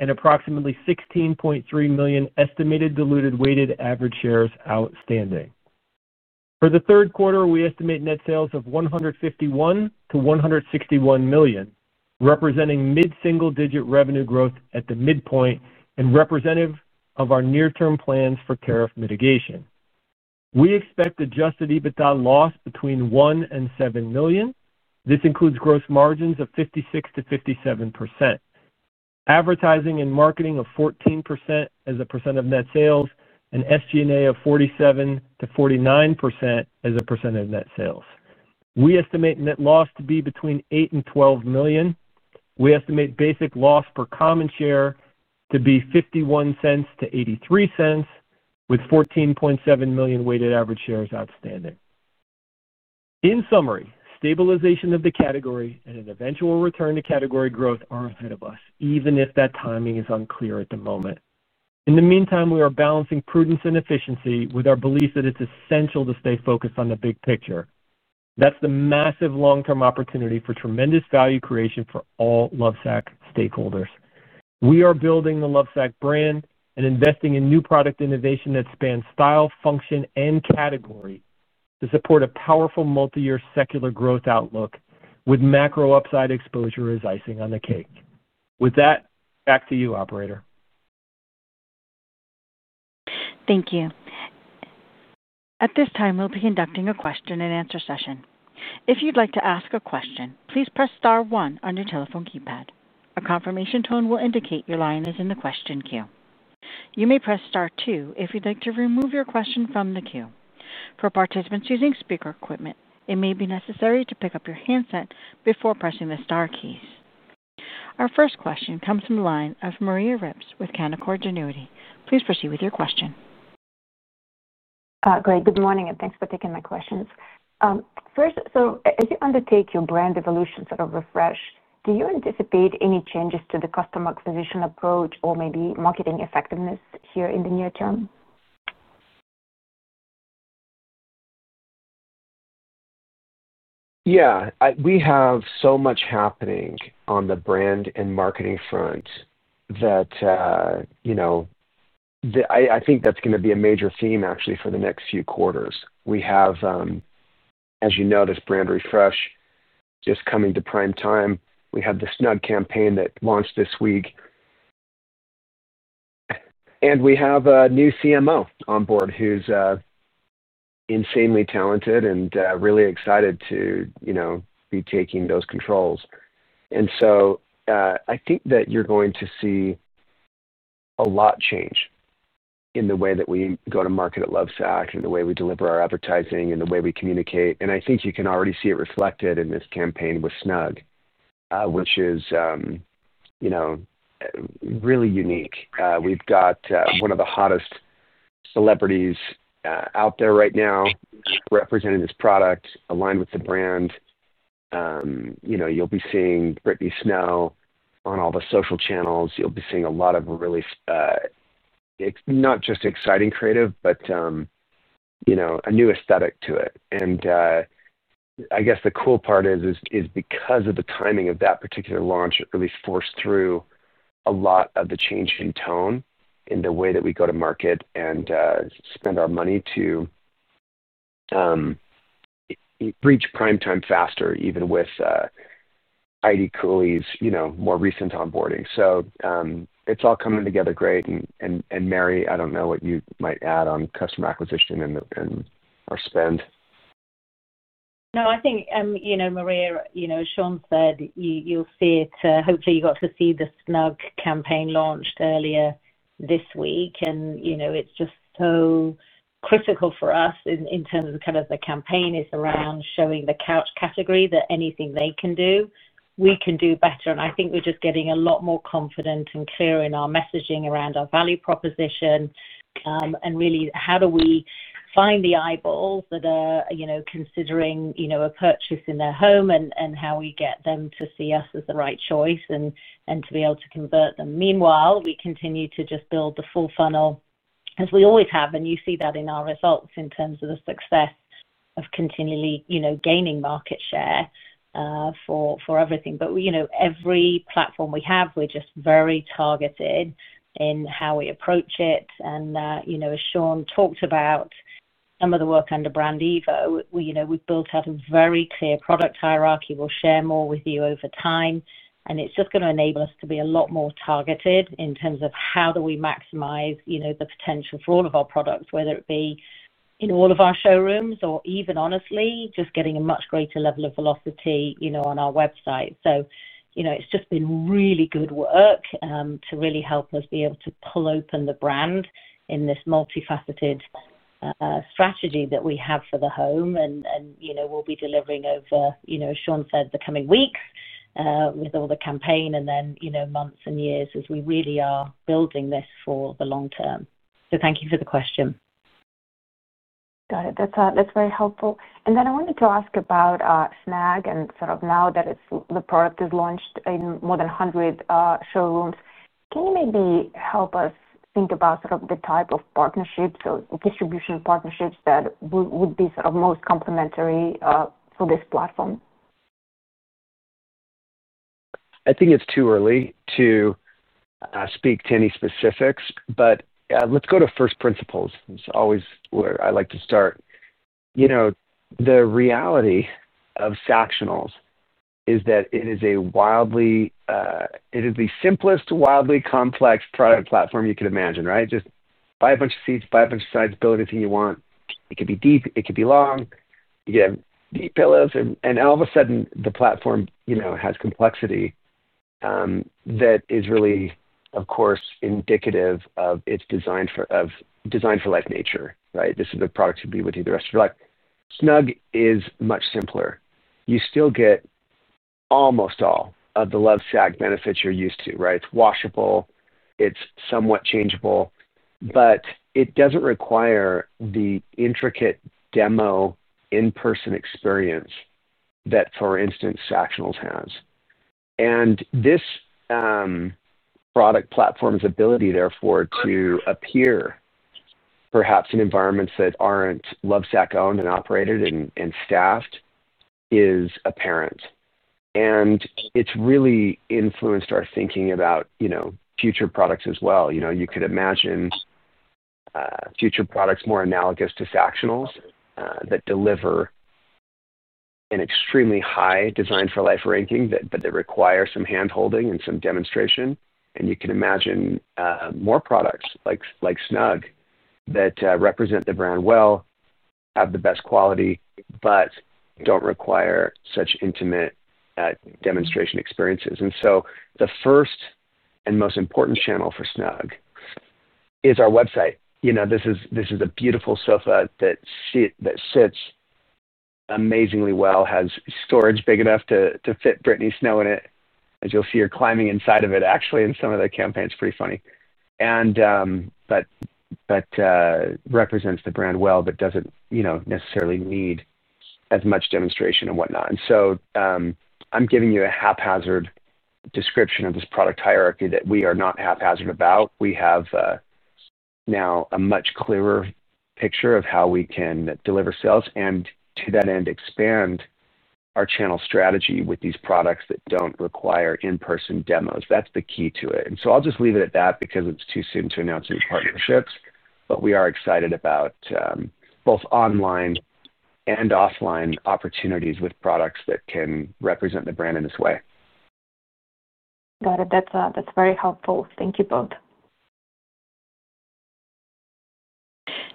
$1.05 and approximately 16.3 million estimated diluted weighted average shares outstanding. For the third quarter, we estimate net sales of $151 million - $161 million, representing mid-single-digit revenue growth at the midpoint and representative of our near-term plans for tariff mitigation. We expect adjusted EBITDA loss between $1 million and $7 million. This includes gross margins of 56% - 57%, advertising and marketing of 14% as a % of net sales, and SG&A of 47% - 49% as a % of net sales. We estimate net loss to be between $8 million and $12 million. We estimate basic loss per common share to be $0.51 - $0.83, with 14.7 million weighted average shares outstanding. In summary, stabilization of the category and an eventual return to category growth are ahead of us, even if that timing is unclear at the moment. In the meantime, we are balancing prudence and efficiency with our belief that it's essential to stay focused on the big picture. That's the massive long-term opportunity for tremendous value creation for all Lovesac stakeholders. We are building the Lovesac brand and investing in new product innovation that spans style, function, and category to support a powerful multi-year secular growth outlook, with macro upside exposure as icing on the cake. With that, back to you, operator. Thank you. At this time, we'll be conducting a question and answer session. If you'd like to ask a question, please press star one on your telephone keypad. A confirmation tone will indicate your line is in the question queue. You may press star two if you'd like to remove your question from the queue. For participants using speaker equipment, it may be necessary to pick up your handset before pressing the star keys. Our first question comes from the line of Maria Ripps with Canaccord Genuity Corp. Please proceed with your question. Great. Good morning, and thanks for taking my questions. First, as you undertake your brand evolution sort of refresh, do you anticipate any changes to the customer acquisition approach or maybe marketing effectiveness here in the near term? Yeah, we have so much happening on the brand and marketing front that I think that's going to be a major theme, actually, for the next few quarters. We have, as you know, this brand refresh just coming to prime time. We have the Snugg campaign that launched this week. We have a new CMO on board who's insanely talented and really excited to be taking those controls. I think that you're going to see a lot change in the way that we go to market at The Lovesac Company and the way we deliver our advertising and the way we communicate. I think you can already see it reflected in this campaign with Snugg, which is really unique. We've got one of the hottest celebrities out there right now representing this product aligned with the brand. You'll be seeing Britney Snow on all the social channels. You'll be seeing a lot of really, not just exciting creative, but a new aesthetic to it. I guess the cool part is because of the timing of that particular launch, it really forced through a lot of the change in tone in the way that we go to market and spend our money to reach prime time faster, even with Heidi Cooley's more recent onboarding. It's all coming together great. Mary, I don't know what you might add on customer acquisition and our spend. No, I think, you know, Maria, as Shawn said, you'll see it. Hopefully, you got to see the Snugg by Lovesac campaign launched earlier this week. It's just so critical for us in terms of the campaign being around showing the couch category that anything they can do, we can do better. I think we're just getting a lot more confident and clear in our messaging around our value proposition and really how do we find the eyeballs that are considering a purchase in their home and how we get them to see us as the right choice and to be able to convert them. Meanwhile, we continue to just build the full funnel, as we always have. You see that in our results in terms of the success of continually gaining market share for everything. Every platform we have, we're just very targeted in how we approach it. As Shawn talked about some of the work under Brand Evo, we've built out a very clear product hierarchy. We'll share more with you over time. It's just going to enable us to be a lot more targeted in terms of how do we maximize the potential for all of our products, whether it be in all of our showrooms or even, honestly, just getting a much greater level of velocity on our website. It's just been really good work to really help us be able to pull open the brand in this multifaceted strategy that we have for the home. We'll be delivering over, as Shawn said, the coming weeks with all the campaign and then months and years as we really are building this for the long term. Thank you for the question. Got it. That's very helpful. I wanted to ask about Snugg by Lovesac and sort of now that the product is launched in more than 100 showrooms, can you maybe help us think about the type of partnerships or distribution partnerships that would be most complementary for this platform? I think it's too early to speak to any specifics, but let's go to first principles. It's always where I like to start. You know, the reality of Sactionals is that it is a wildly, it is the simplest to wildly complex product platform you could imagine, right? Just buy a bunch of seats, buy a bunch of sides, build anything you want. It could be deep, it could be long, you could have deep pillows, and all of a sudden the platform, you know, has complexity that is really, of course, indicative of its Design for Life nature, right? This is the product you'd be with you the rest of your life. Snugg is much simpler. You still get almost all of the Lovesac benefits you're used to, right? It's washable, it's somewhat changeable, but it doesn't require the intricate demo in-person experience that, for instance, Sactionals has. This product platform's ability, therefore, to appear perhaps in environments that aren't Lovesac owned and operated and staffed is apparent. It's really influenced our thinking about, you know, future products as well. You know, you could imagine future products more analogous to Sactionals that deliver an extremely high Design for Life ranking, but they require some hand-holding and some demonstration. You can imagine more products like Snugg that represent the brand well, have the best quality, but don't require such intimate demonstration experiences. The first and most important channel for Snugg is our website. You know, this is a beautiful sofa that sits amazingly well, has storage big enough to fit Britney Snow in it, as you'll see her climbing inside of it, actually, in some of the campaigns. It's pretty funny. That represents the brand well, but doesn't, you know, necessarily need as much demonstration and whatnot. I'm giving you a haphazard description of this product hierarchy that we are not haphazard about. We have now a much clearer picture of how we can deliver sales and, to that end, expand our channel strategy with these products that don't require in-person demos. That's the key to it. I'll just leave it at that because it's too soon to announce any partnerships, but we are excited about both online and offline opportunities with products that can represent the brand in this way. Got it. That's very helpful. Thank you both.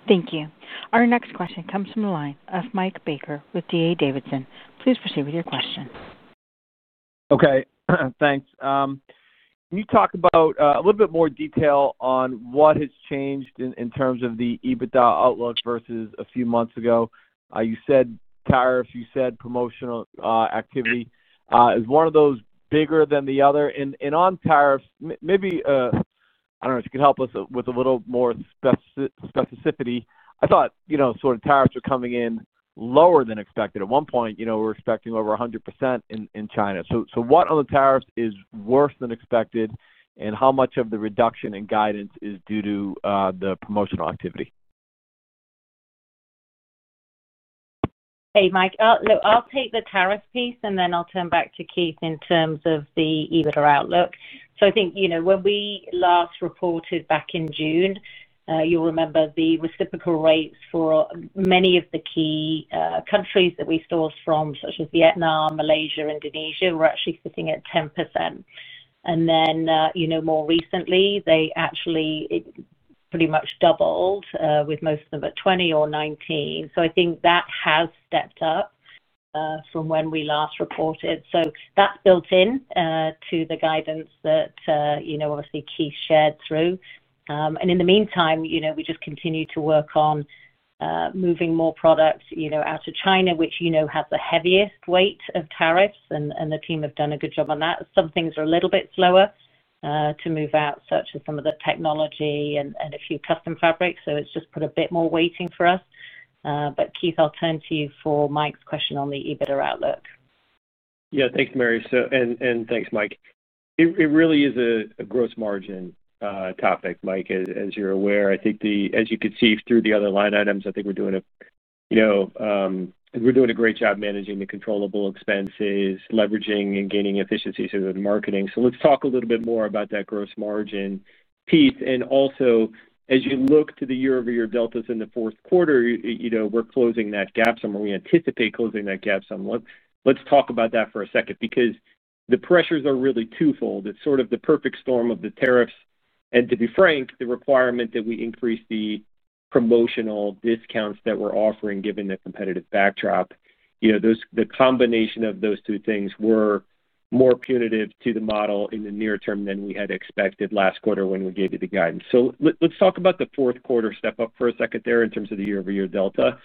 Thank you. Our next question comes from the line of Michael Allen Baker with D.A. Davidson & Co. Please proceed with your question. Okay. Thanks. Can you talk about a little bit more detail on what has changed in terms of the EBITDA outlook versus a few months ago? You said tariffs, you said promotional activity. Is one of those bigger than the other? On tariffs, maybe, I don't know if you could help us with a little more specificity. I thought, you know, sort of tariffs were coming in lower than expected. At one point, you know, we're expecting over 100% in China. What on the tariffs is worse than expected and how much of the reduction in guidance is due to the promotional activity? Hey, Mike. I'll take the tariff piece and then I'll turn back to Keith in terms of the EBITDA outlook. I think, you know, when we last reported back in June, you'll remember the reciprocal rates for many of the key countries that we source from, such as Vietnam, Malaysia, Indonesia, were actually sitting at 10%. More recently, they actually pretty much doubled with most of them at 20% or 19%. I think that has stepped up from when we last reported. That's built into the guidance that, you know, obviously Keith shared through. In the meantime, we just continue to work on moving more products out of China, which has the heaviest weight of tariffs. The team have done a good job on that. Some things are a little bit slower to move out, such as some of the technology and a few custom fabrics. It's just put a bit more weighting for us. Keith, I'll turn to you for Mike's question on the EBITDA outlook. Yeah, thanks, Mary. Thanks, Mike. It really is a gross margin topic, Mike. As you're aware, as you could see through the other line items, I think we're doing a great job managing the controllable expenses, leveraging, and gaining efficiencies in marketing. Let's talk a little bit more about that gross margin, Keith. Also, as you look to the year-over-year deltas in the fourth quarter, we're closing that gap somewhere. We anticipate closing that gap somewhere. Let's talk about that for a second because the pressures are really twofold. It's sort of the perfect storm of the tariffs. To be frank, the requirement that we increase the promotional discounts that we're offering, given the competitive backdrop, the combination of those two things were more punitive to the model in the near term than we had expected last quarter when we gave you the guidance. Let's talk about the fourth quarter step up for a second there in terms of the year-over-year delta.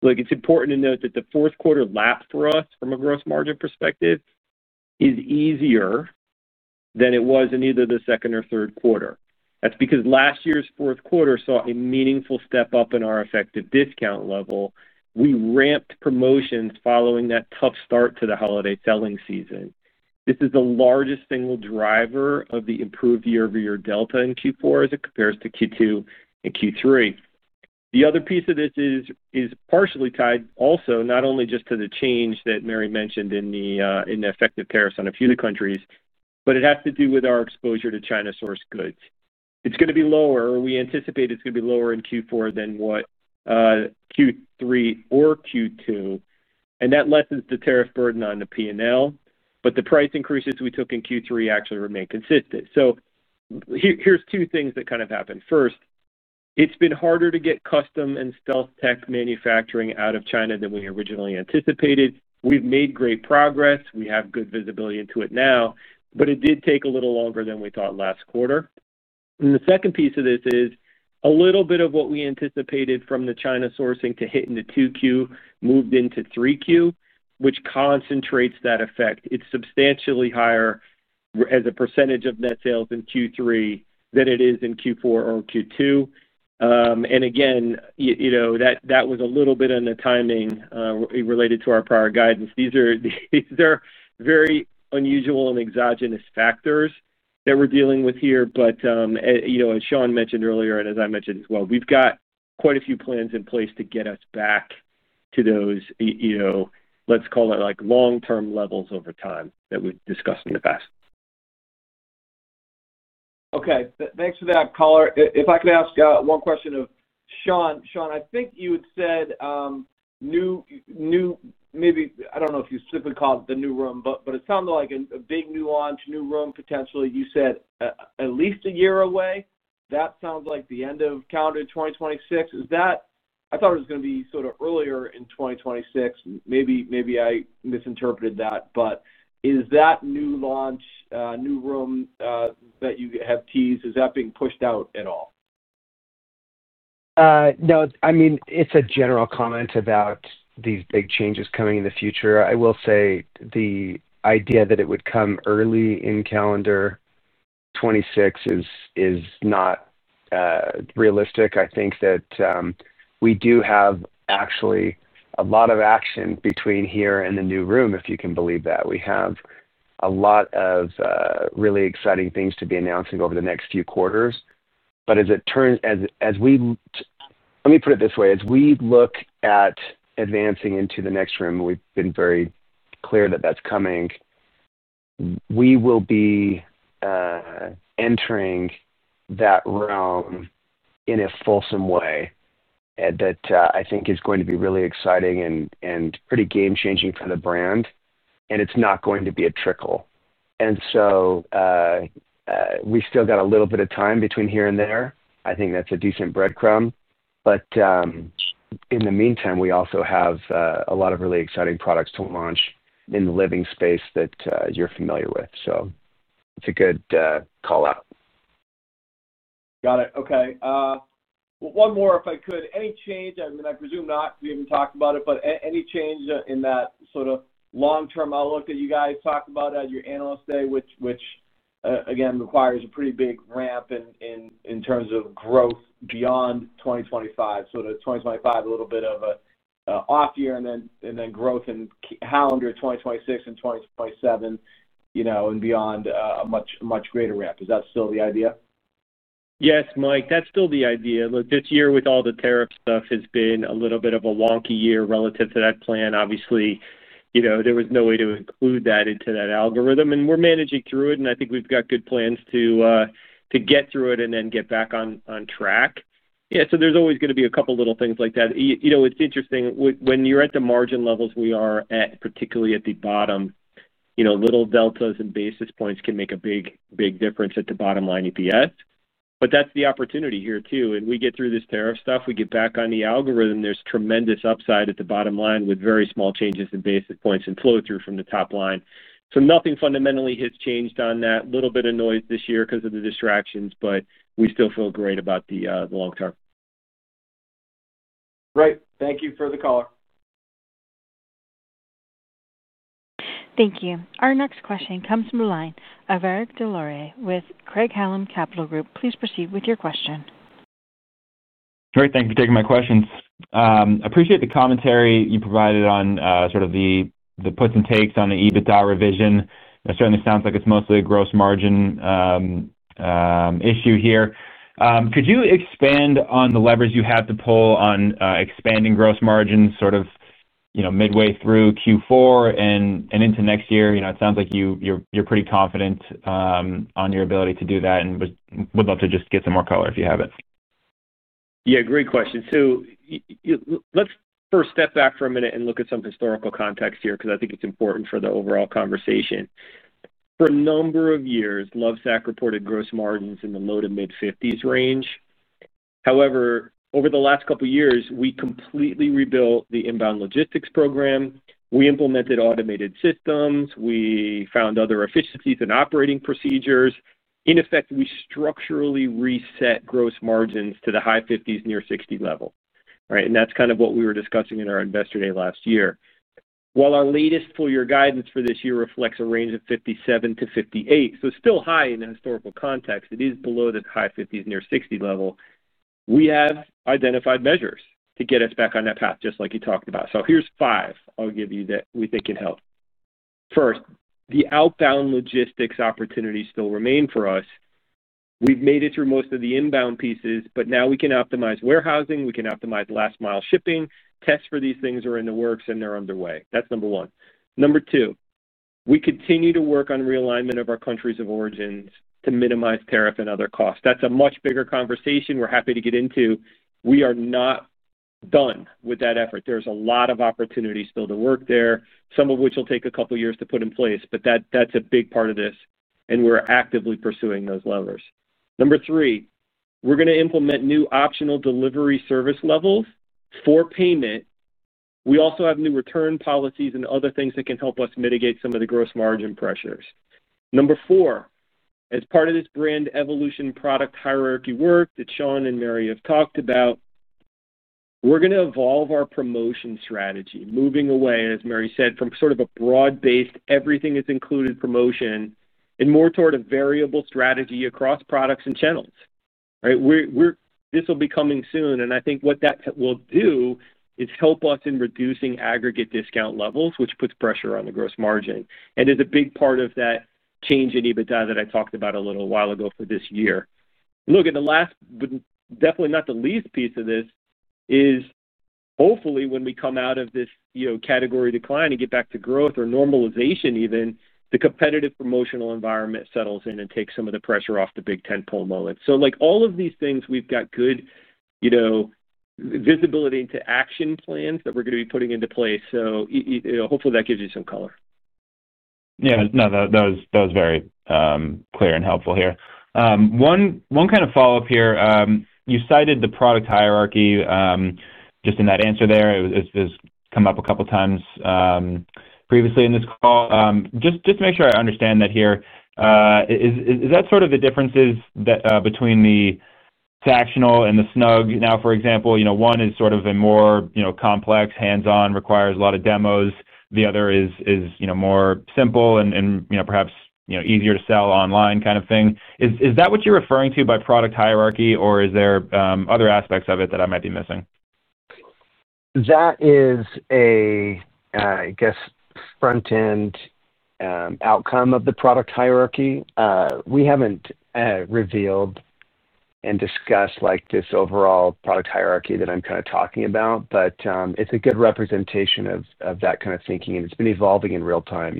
It's important to note that the fourth quarter lapse for us from a gross margin perspective is easier than it was in either the second or third quarter. That's because last year's fourth quarter saw a meaningful step up in our effective discount level. We ramped promotions following that tough start to the holiday selling season. This is the largest single driver of the improved year-over-year delta in Q4 as it compares to Q2 and Q3. The other piece of this is partially tied also not only just to the change that Mary mentioned in the effective tariffs on a few of the countries, but it has to do with our exposure to China sourced goods. It's going to be lower. We anticipate it's going to be lower in Q4 than Q3 or Q2. That lessens the tariff burden on the P&L. The price increases we took in Q3 actually remain consistent. Here's two things that kind of happened. First, it's been harder to get custom and StealthTech manufacturing out of China than we originally anticipated. We've made great progress. We have good visibility into it now. It did take a little longer than we thought last quarter. The second piece of this is a little bit of what we anticipated from the China sourcing to hit in the 2Q moved into 3Q, which concentrates that effect. It's substantially higher as a percentage of net sales in Q3 than it is in Q4 or in Q2. You know, that was a little bit on the timing related to our prior guidance. These are very unusual and exogenous factors that we're dealing with here. As Shawn mentioned earlier, and as I mentioned as well, we've got quite a few plans in place to get us back to those, let's call it like long-term levels over time that we've discussed in the past. Thanks for that, caller. If I could ask one question of Shawn. Shawn, I think you had said, new, new, maybe, I don't know if you specifically called it the new room, but it sounded like a big new launch, new room potentially. You said at least a year away. That sounds like the end of calendar 2026. Is that, I thought it was going to be sort of earlier in 2026. Maybe I misinterpreted that. Is that new launch, new room, that you have teased, being pushed out at all? No, I mean, it's a general comment about these big changes coming in the future. I will say the idea that it would come early in calendar 2026 is not realistic. I think that we do have actually a lot of action between here and the new room, if you can believe that. We have a lot of really exciting things to be announcing over the next few quarters. As we look at advancing into the next room, we've been very clear that that's coming. We will be entering that realm in a fulsome way that I think is going to be really exciting and pretty game-changing for the brand. It's not going to be a trickle. We still got a little bit of time between here and there. I think that's a decent breadcrumb. In the meantime, we also have a lot of really exciting products to launch in the living space that you're familiar with. It's a good call out. Got it. Okay. One more, if I could, any change, and I mean, I presume not, we haven't talked about it, but any change in that sort of long-term outlook that you guys talked about at your analyst day, which, again requires a pretty big ramp in terms of growth beyond 2025, sort of 2025, a little bit of an off year, and then growth in calendar 2026 and 2027, you know, and beyond a much, much greater ramp. Is that still the idea? Yes, Mike, that's still the idea. Look, this year with all the tariff stuff has been a little bit of a wonky year relative to that plan. Obviously, there was no way to include that into that algorithm. We're managing through it. I think we've got good plans to get through it and then get back on track. There's always going to be a couple of little things like that. It's interesting when you're at the margin levels we are at, particularly at the bottom, little deltas and basis points can make a big, big difference at the bottom line EPS. That's the opportunity here too. We get through this tariff stuff, we get back on the algorithm, there's tremendous upside at the bottom line with very small changes in basis points and flow-through from the top line. Nothing fundamentally has changed on that, just a little bit of noise this year because of the distractions, but we still feel great about the long term. Right. Thank you for the caller. Thank you. Our next question comes from the line of Eric Des Lauriers with Craig-Hallum Capital Group. Please proceed with your question. Great. Thank you for taking my questions. I appreciate the commentary you provided on the puts and takes on the EBITDA revision. That certainly sounds like it's mostly a gross margin issue here. Could you expand on the levers you have to pull on expanding gross margins, midway through Q4 and into next year? It sounds like you're pretty confident on your ability to do that and would love to just get some more color if you have it. Yeah, great question. Let's first step back for a minute and look at some historical context here because I think it's important for the overall conversation. For a number of years, The Lovesac Company reported gross margins in the low to mid-50% range. However, over the last couple of years, we completely rebuilt the inbound logistics program. We implemented automated systems. We found other efficiencies in operating procedures. In effect, we structurally reset gross margins to the high 50%, near 60% level. That's kind of what we were discussing in our investor day last year. While our latest full-year guidance for this year reflects a range of 57% - 58%, so still high in the historical context, it is below the high 50%, near 60% level. We have identified measures to get us back on that path, just like you talked about. Here are five I'll give you that we think can help. First, the outbound logistics opportunities still remain for us. We've made it through most of the inbound pieces, but now we can optimize warehousing. We can optimize last mile shipping. Tests for these things are in the works and they're underway. That's number one. Number two, we continue to work on realignment of our countries of origin to minimize tariff and other costs. That's a much bigger conversation we're happy to get into. We are not done with that effort. There are a lot of opportunities still to work there, some of which will take a couple of years to put in place, but that's a big part of this. We're actively pursuing those levers. Number three, we're going to implement new optional delivery service levels for payment. We also have new return policies and other things that can help us mitigate some of the gross margin pressures. Number four, as part of this brand evolution product hierarchy work that Shawn Nelson and Mary Fox have talked about, we're going to evolve our promotion strategy, moving away, as Mary said, from sort of a broad-based everything is included promotion and more toward a variable strategy across products and channels. This will be coming soon. I think what that will do is help us in reducing aggregate discount levels, which puts pressure on the gross margin and is a big part of that change in adjusted EBITDA that I talked about a little while ago for this year. The last, but definitely not the least piece of this, is hopefully when we come out of this category decline and get back to growth or normalization even, the competitive promotional environment settles in and takes some of the pressure off the big tentpole moment. All of these things, we've got good visibility into action plans that we're going to be putting into place. Hopefully that gives you some color. Yeah, no, that was very clear and helpful here. One kind of follow-up here, you cited the product hierarchy just in that answer there. It's come up a couple of times previously in this call. Just to make sure I understand that here, is that sort of the differences between the Sactional and the Snugg? For example, one is sort of a more complex, hands-on, requires a lot of demos. The other is more simple and perhaps easier to sell online kind of thing. Is that what you're referring to by product hierarchy, or are there other aspects of it that I might be missing? That is a, I guess, front-end outcome of the product hierarchy. We haven't revealed and discussed like this overall product hierarchy that I'm kind of talking about, but it's a good representation of that kind of thinking, and it's been evolving in real time.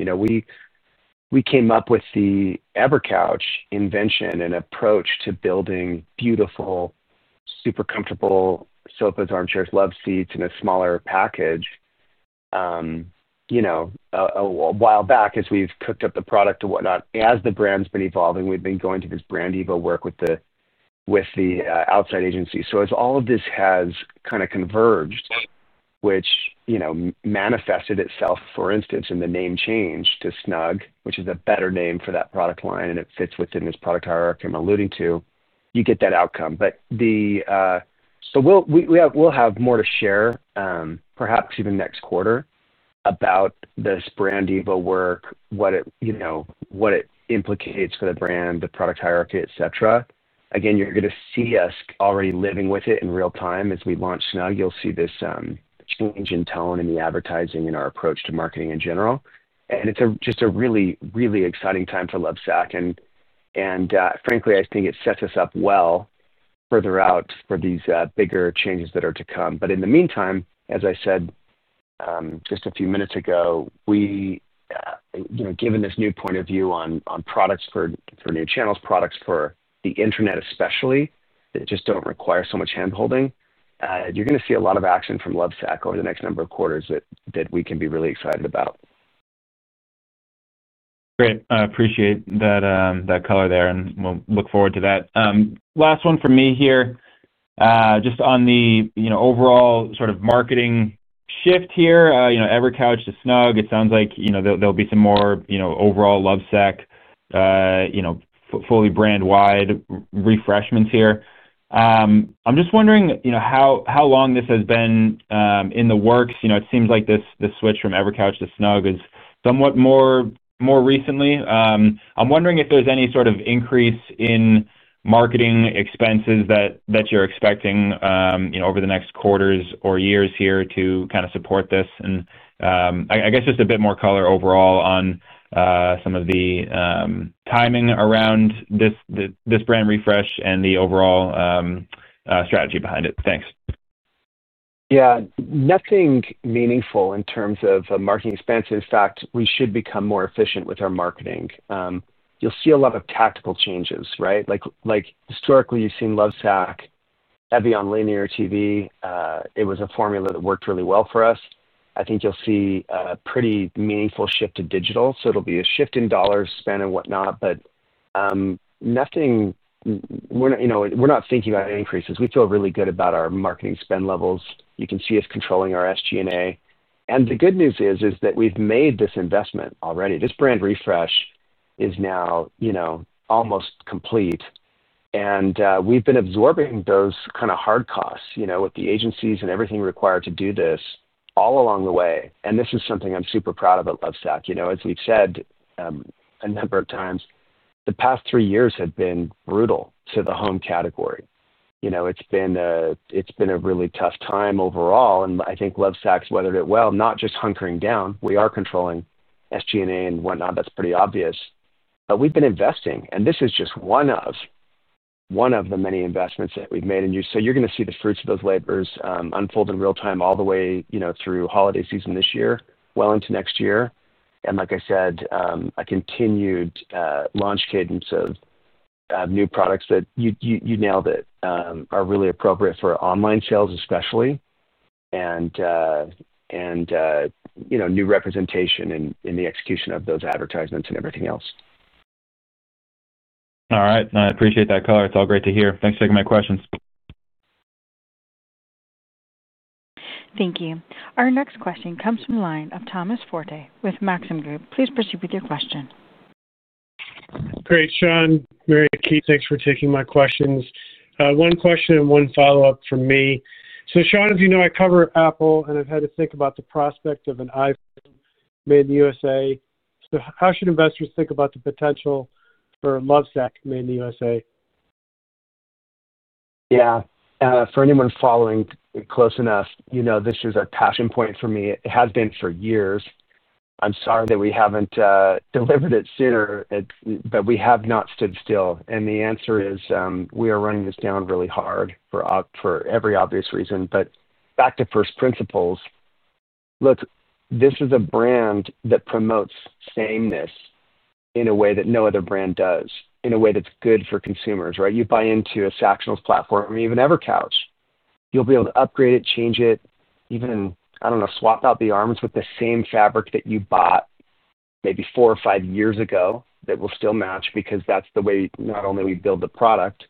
We came up with the EverCouch invention and approach to building beautiful, super comfortable sofas, armchairs, love seats in a smaller package, a while back as we've cooked up the product and whatnot. As the brand's been evolving, we've been going to this brand Evo work with the outside agency. As all of this has kind of converged, which, you know, manifested itself, for instance, in the name change to Snugg, which is a better name for that product line, and it fits within this product hierarchy I'm alluding to, you get that outcome. We'll have more to share, perhaps even next quarter, about this brand Evo work, what it implicates for the brand, the product hierarchy, et cetera. Again, you're going to see us already living with it in real time. As we launch Snugg, you'll see this change in tone in the advertising and our approach to marketing in general. It's just a really, really exciting time for Lovesac. Frankly, I think it sets us up well further out for these bigger changes that are to come. In the meantime, as I said just a few minutes ago, given this new point of view on products for new channels, products for the intranet especially, that just don't require so much hand-holding, you're going to see a lot of action from Lovesac over the next number of quarters that we can be really excited about. Great. I appreciate that color there, and we'll look forward to that. Last one for me here, just on the overall sort of marketing shift here, EverCouch to Snugg. It sounds like there'll be some more overall Lovesac, fully brand-wide refreshments here. I'm just wondering how long this has been in the works. It seems like this switch from EverCouch to Snugg is somewhat more recently. I'm wondering if there's any sort of increase in marketing expenses that you're expecting over the next quarters or years here to kind of support this. I guess just a bit more color overall on some of the timing around this brand refresh and the overall strategy behind it? Thanks. Yeah, nothing meaningful in terms of marketing expenses. In fact, we should become more efficient with our marketing. You'll see a lot of tactical changes, right? Like historically, you've seen Lovesac heavy on linear TV. It was a formula that worked really well for us. I think you'll see a pretty meaningful shift to digital. It'll be a shift in dollars spent and whatnot. Nothing, you know, we're not thinking about increases. We feel really good about our marketing spend levels. You can see us controlling our SG&A. The good news is that we've made this investment already. This brand refresh is now, you know, almost complete. We've been absorbing those kind of hard costs, you know, with the agencies and everything required to do this all along the way. This is something I'm super proud of at Lovesac. You know, as we've said a number of times, the past three years have been brutal to the home category. It's been a really tough time overall. I think Lovesac's weathered it well, not just hunkering down. We are controlling SG&A and whatnot. That's pretty obvious. We've been investing. This is just one of the many investments that we've made. You're going to see the fruits of those labors unfold in real time all the way, you know, through holiday season this year, well into next year. Like I said, a continued launch cadence of new products that you nailed it are really appropriate for online sales, especially, and, you know, new representation in the execution of those advertisements and everything else. All right. I appreciate that color. It's all great to hear. Thanks for taking my questions. Thank you. Our next question comes from the line of Thomas Ferris Forte with Maxim Group LLC. Please proceed with your question. Great, Shawn, Mary, Keith, thanks for taking my questions. One question and one follow-up from me. Shawn, as you know, I cover Apple and I've had to think about the prospect of an iPhone made in the U.S. How should investors think about the potential for Lovesac made in the U.S.? Yeah, for anyone following close enough, you know, this is a passion point for me. It has been for years. I'm sorry that we haven't delivered it sooner, but we have not stood still. The answer is we are running this down really hard for every obvious reason. Back to first principles. Look, this is a brand that promotes sameness in a way that no other brand does, in a way that's good for consumers, right? You buy into a Sactionals platform, even EverCouch, you'll be able to upgrade it, change it, even, I don't know, swap out the arms with the same fabric that you bought maybe four or five years ago that will still match because that's the way not only we build the product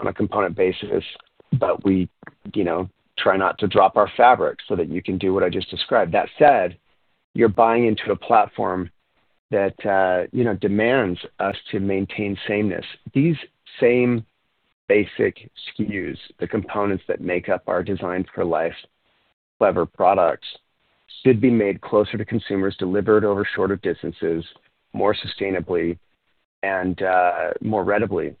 on a component basis, but we, you know, try not to drop our fabric so that you can do what I just described. That said, you're buying into a platform that, you know, demands us to maintain sameness. These same basic SKUs, the components that make up our Design for Life clever products, should be made closer to consumers, delivered over shorter distances, more sustainably, and more readily.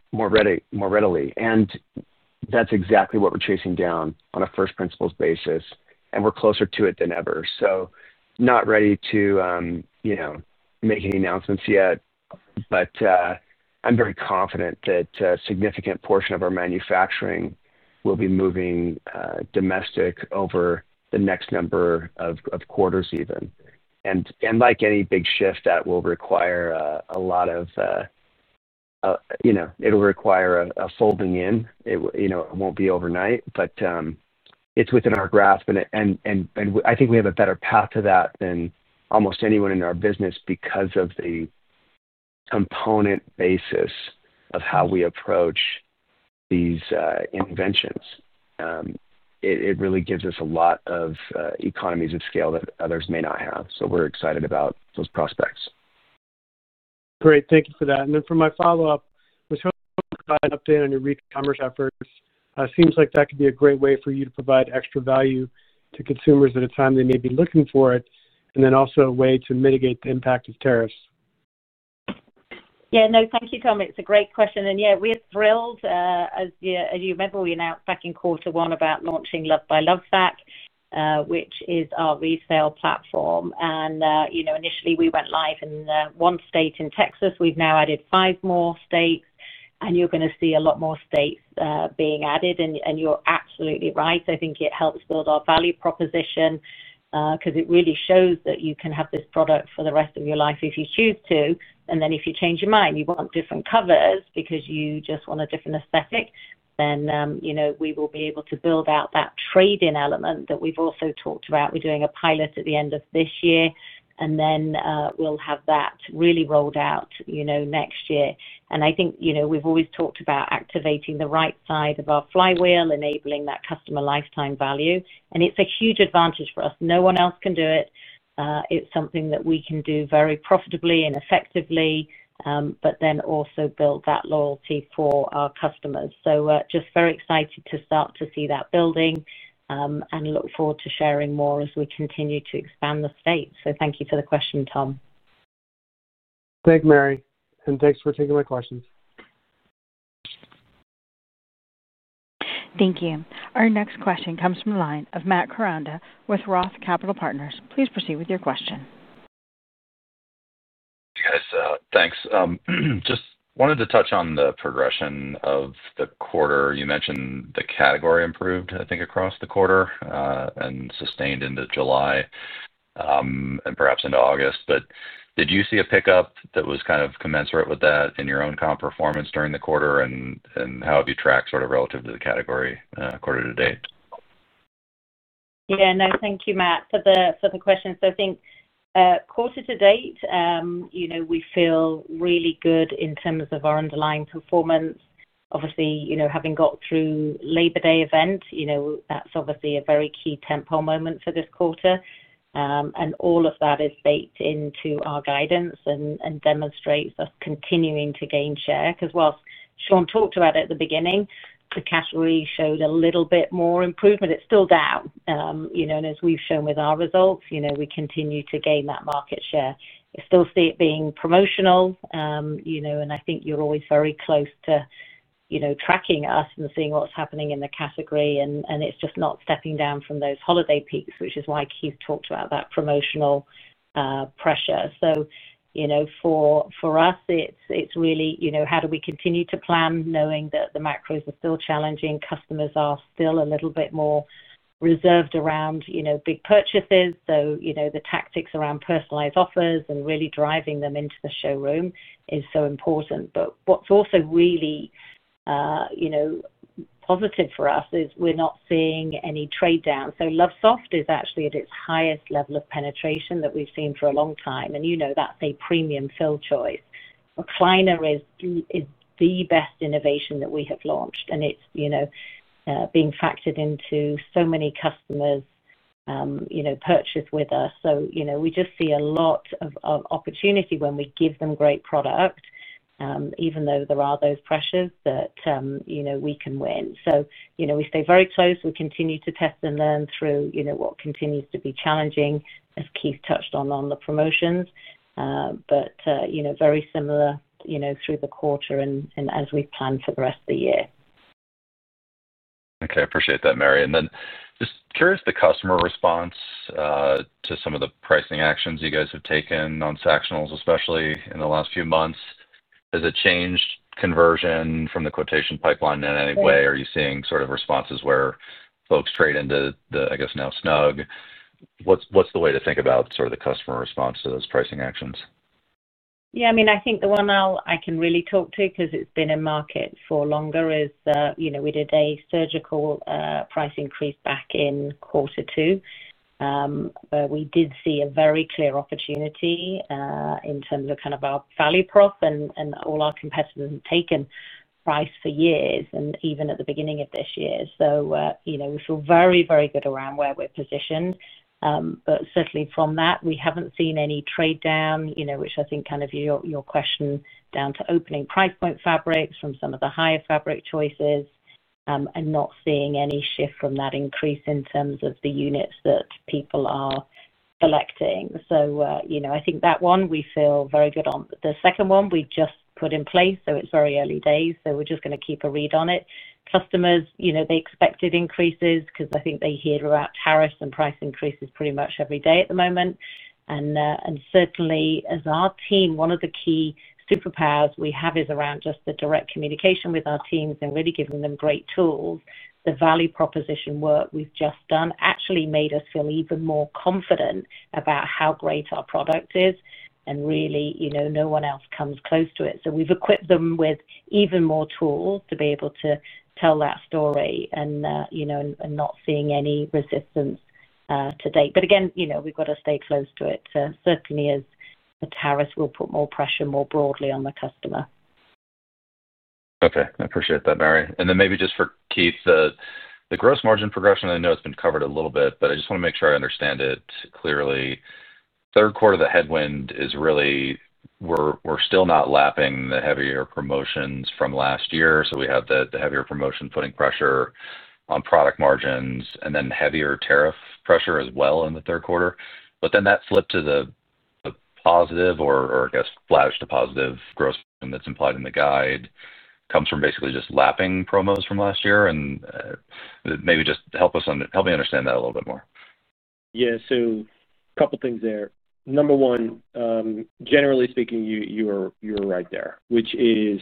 That's exactly what we're chasing down on a first principles basis. We're closer to it than ever. Not ready to, you know, make any announcements yet, but I'm very confident that a significant portion of our manufacturing will be moving domestic over the next number of quarters even. Like any big shift that will require a lot of, you know, it'll require a folding in. It won't be overnight, but it's within our grasp. I think we have a better path to that than almost anyone in our business because of the component basis of how we approach these inventions. It really gives us a lot of economies of scale that others may not have. We're excited about those prospects. Great. Thank you for that. For my follow-up, I was hoping to provide an update on your re-commerce efforts. It seems like that could be a great way for you to provide extra value to consumers at a time they may be looking for it, and also a way to mitigate the impact of tariffs? Thank you, Tom. It's a great question. We're thrilled. As you remember, we announced back in quarter one about launching Loved by Lovesac, which is our resale platform. Initially, we went live in one state in Texas. We've now added five more states, and you're going to see a lot more states being added. You're absolutely right. I think it helps build our value proposition because it really shows that you can have this product for the rest of your life if you choose to. If you change your mind and you want different covers because you just want a different aesthetic, we will be able to build out that trade-in element that we've also talked about. We're doing a pilot at the end of this year, and then we'll have that really rolled out next year. We've always talked about activating the right side of our flywheel, enabling that customer lifetime value. It's a huge advantage for us. No one else can do it. It's something that we can do very profitably and effectively, but also build that loyalty for our customers. Just very excited to start to see that building and look forward to sharing more as we continue to expand the state. Thank you for the question, Tom. Thanks, Mary. Thanks for taking my questions. Thank you. Our next question comes from the line of Matthew Butler Koranda with ROTH Capital Partners. Please proceed with your question. Thanks. Just wanted to touch on the progression of the quarter. You mentioned the category improved, I think, across the quarter and sustained into July and perhaps into August. Did you see a pickup that was kind of commensurate with that in your own comp performance during the quarter, and how have you tracked sort of relative to the category quarter to date? Yeah, no, thank you, Matt, for the question. I think quarter to date, you know, we feel really good in terms of our underlying performance. Obviously, you know, having got through Labor Day event, that's obviously a very key tempo moment for this quarter. All of that is baked into our guidance and demonstrates us continuing to gain share because whilst Shawn talked about it at the beginning, the category showed a little bit more improvement. It's still down, you know, and as we've shown with our results, we continue to gain that mark. Which, You still see it being promotional. I think you're always very close to tracking us and seeing what's happening in the category, and it's just not stepping down from those holiday peaks, which is why Keith talked about that promotional pressure. For us, it's really how do we continue to plan knowing that the macros are still challenging? Customers are still a little bit more reserved around big purchases. The tactics around personalized offers and really driving them into the showroom is so important. What's also really positive for us is we're not seeing any trade down. Sacs is actually at its highest level of penetration that we've seen for a long time, and that's a premium fill choice. Recliner is the best innovation that we have launched, and it's being factored into so many customers' purchase with us. We just see a lot of opportunity when we give them great product, even though there are those pressures that we can win. We stay very close. We continue to test and learn through what continues to be challenging, as Keith touched on, on the promotions, very similar through the quarter and as we plan for the rest of the year. Okay. I appreciate that, Mary. Just curious, the customer response to some of the pricing actions you guys have taken on sectionals, especially in the last few months. Has it changed conversion from the quotation pipeline in any way? Are you seeing responses where folks trade into the, I guess, now Snugg? What's the way to think about the customer response to those pricing actions? Yeah. I mean, I think the one I can really talk to because it's been in market for longer is, you know, we did a surgical price increase back in quarter two. We did see a very clear opportunity in terms of kind of our value prop, and all our competitors have taken price for years and even at the beginning of this year. You know, we feel very, very good around where we're positioned. Certainly from that, we haven't seen any trade down, which I think is kind of your question, down to opening price point fabrics from some of the higher fabric choices, and not seeing any shift from that increase in terms of the units that people are selecting. I think that one we feel very good on. The second one we just put in place, so it's very early days. We are just going to keep a read on it. Customers, you know, they expected increases because I think they hear about tariffs and price increases pretty much every day at the moment. Certainly, as our team, one of the key superpowers we have is around just the direct communication with our teams and really giving them great tools. The value proposition work we've just done actually made us feel even more confident about how great our product is and really, you know, no one else comes close to it. We've equipped them with even more tools to be able to tell that story and, you know, not seeing any resistance to date. Again, you know, we've got to stay close to it, certainly as a tariff will put more pressure more broadly on the customer. Okay. I appreciate that, Mary. Maybe just for Keith, the gross margin progression, I know it's been covered a little bit, but I just wanna make sure I understand it clearly. Third quarter, the headwind is really we're still not lapping the heavier promotions from last year. We have the heavier promotion putting pressure on product margins and then heavier tariff pressure as well in the third quarter. That flip to the positive, or I guess flash to positive gross margin that's implied in the guide, comes from basically just lapping promos from last year. Maybe just help us on, help me understand that a little bit more. Yeah. A couple of things there. Number one, generally speaking, you're right there, which is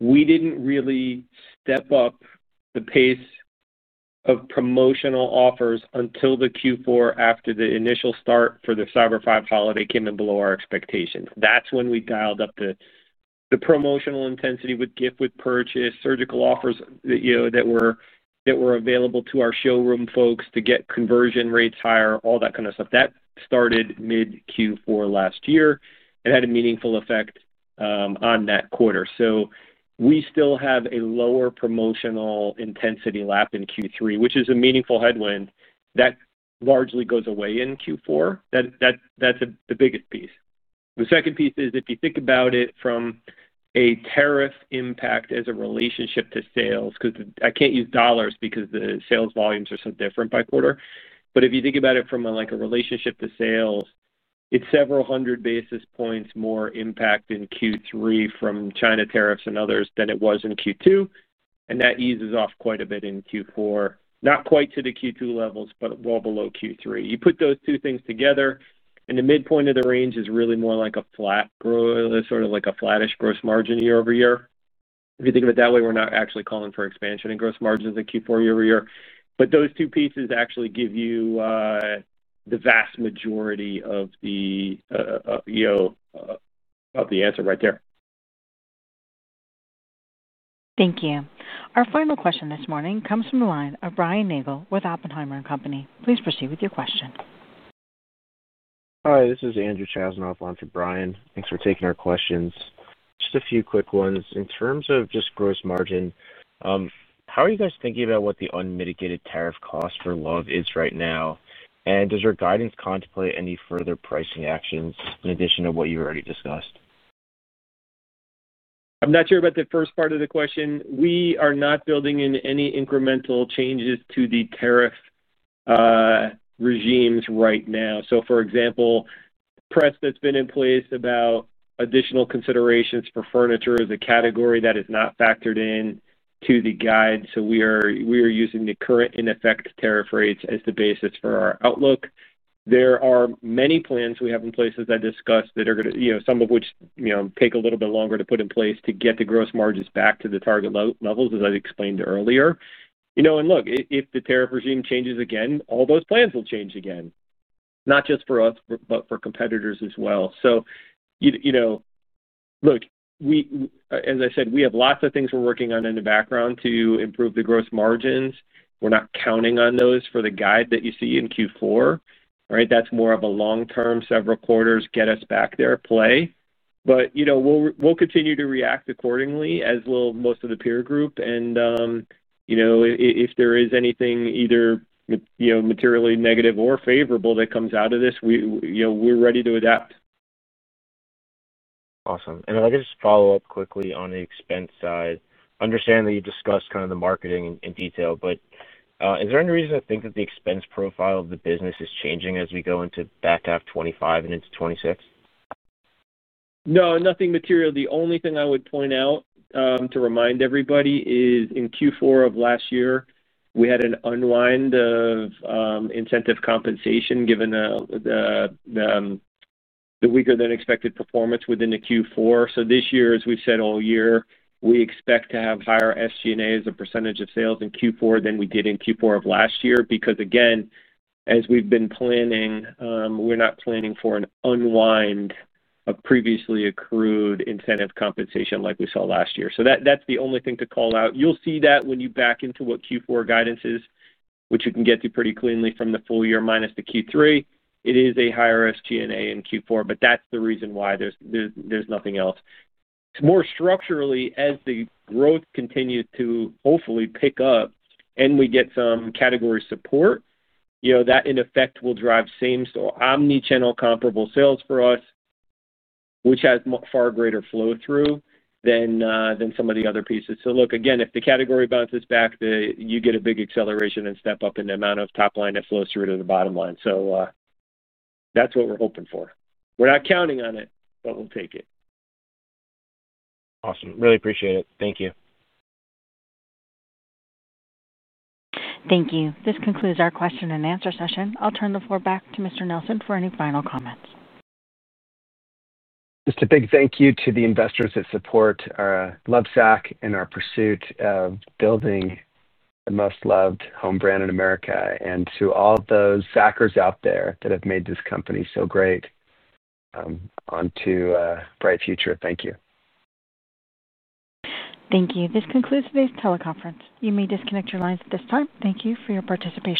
we didn't really step up the pace of promotional offers until Q4 after the initial start for the Cyber Five holiday came in below our expectations. That's when we dialed up the promotional intensity with gift with purchase, surgical offers that were available to our showroom folks to get conversion rates higher, all that kind of stuff. That started mid-Q4 last year and had a meaningful effect on that quarter. We still have a lower promotional intensity lap in Q3, which is a meaningful headwind. That largely goes away in Q4. That's the biggest piece. The second piece is if you think about it from a tariff impact as a relationship to sales, because I can't use dollars because the sales volumes are so different by quarter. If you think about it from a relationship to sales, it's several hundred basis points more impact in Q3 from China tariffs and others than it was in quarter two. That eases off quite a bit in Q4, not quite to the quarter two levels, but well below Q3. You put those two things together, and the midpoint of the range is really more like a flat growth, sort of like a flattish gross margin year over year. If you think of it that way, we're not actually calling for expansion in gross margins in Q4 year-over-year. Those two pieces actually give you the vast majority of the answer right there. Thank you. Our final question this morning comes from the line of Brian William Nagel with Oppenheimer & Co. Inc. Please proceed with your question. Hi. This is Andrew Chasanoff offline for Brian. Thanks for taking our questions. Just a few quick ones. In terms of just gross margin, how are you guys thinking about what the unmitigated tariff cost for Lovesac is right now? Does your guidance contemplate any further pricing actions in addition to what you've already discussed? I'm not sure about the first part of the question. We are not building in any incremental changes to the tariff regimes right now. For example, the press that's been in place about additional considerations for furniture is a category that is not factored into the guide. We are using the current in-effect tariff rates as the basis for our outlook. There are many plans we have in place, as I discussed, that are going to, you know, some of which take a little bit longer to put in place to get the gross margins back to the target levels, as I explained earlier. If the tariff regime changes again, all those plans will change again, not just for us, but for competitors as well. We have lots of things we're working on in the background to improve the gross margins. We're not counting on those for the guide that you see in Q4, all right? That's more of a long-term, several quarters, get us back there play. We'll continue to react accordingly, as will most of the peer group. If there is anything either materially negative or favorable that comes out of this, we are ready to adapt. Awesome. If I could just follow up quickly on the expense side, understand that you've discussed kind of the marketing in detail, but is there any reason to think that the expense profile of the business is changing as we go into back half 2025 and into 2026? No, nothing material. The only thing I would point out, to remind everybody, is in Q4 of last year, we had an unwind of incentive compensation given the weaker than expected performance within the Q4. This year, as we've said all year, we expect to have higher SG&A as a % of sales in Q4 than we did in Q4 of last year because, again, as we've been planning, we're not planning for an unwind of previously accrued incentive compensation like we saw last year. That's the only thing to call out. You'll see that when you back into what Q4 guidance is, which you can get to pretty cleanly from the full year minus the Q3. It is a higher SG&A in Q4, but that's the reason why. There's nothing else. It's more structurally as the growth continues to hopefully pick up and we get some category support, you know, that in effect will drive same-saw omnichannel comparable sales for us, which has far greater flow-through than some of the other pieces. If the category bounces back, you get a big acceleration and step up in the amount of top line that flows through to the bottom line. That's what we're hoping for. We're not counting on it, but we'll take it. Awesome. Really appreciate it. Thank you. Thank you. This concludes our question and answer session. I'll turn the floor back to Mr. Nelson for any final comments. Just a big thank you to the investors that support The Lovesac Company and our pursuit of building the most loved home brand in America, and to all of those sackers out there that have made this company so great, onto a bright future. Thank you. Thank you. This concludes today's teleconference. You may disconnect your lines at this time. Thank you for your participation.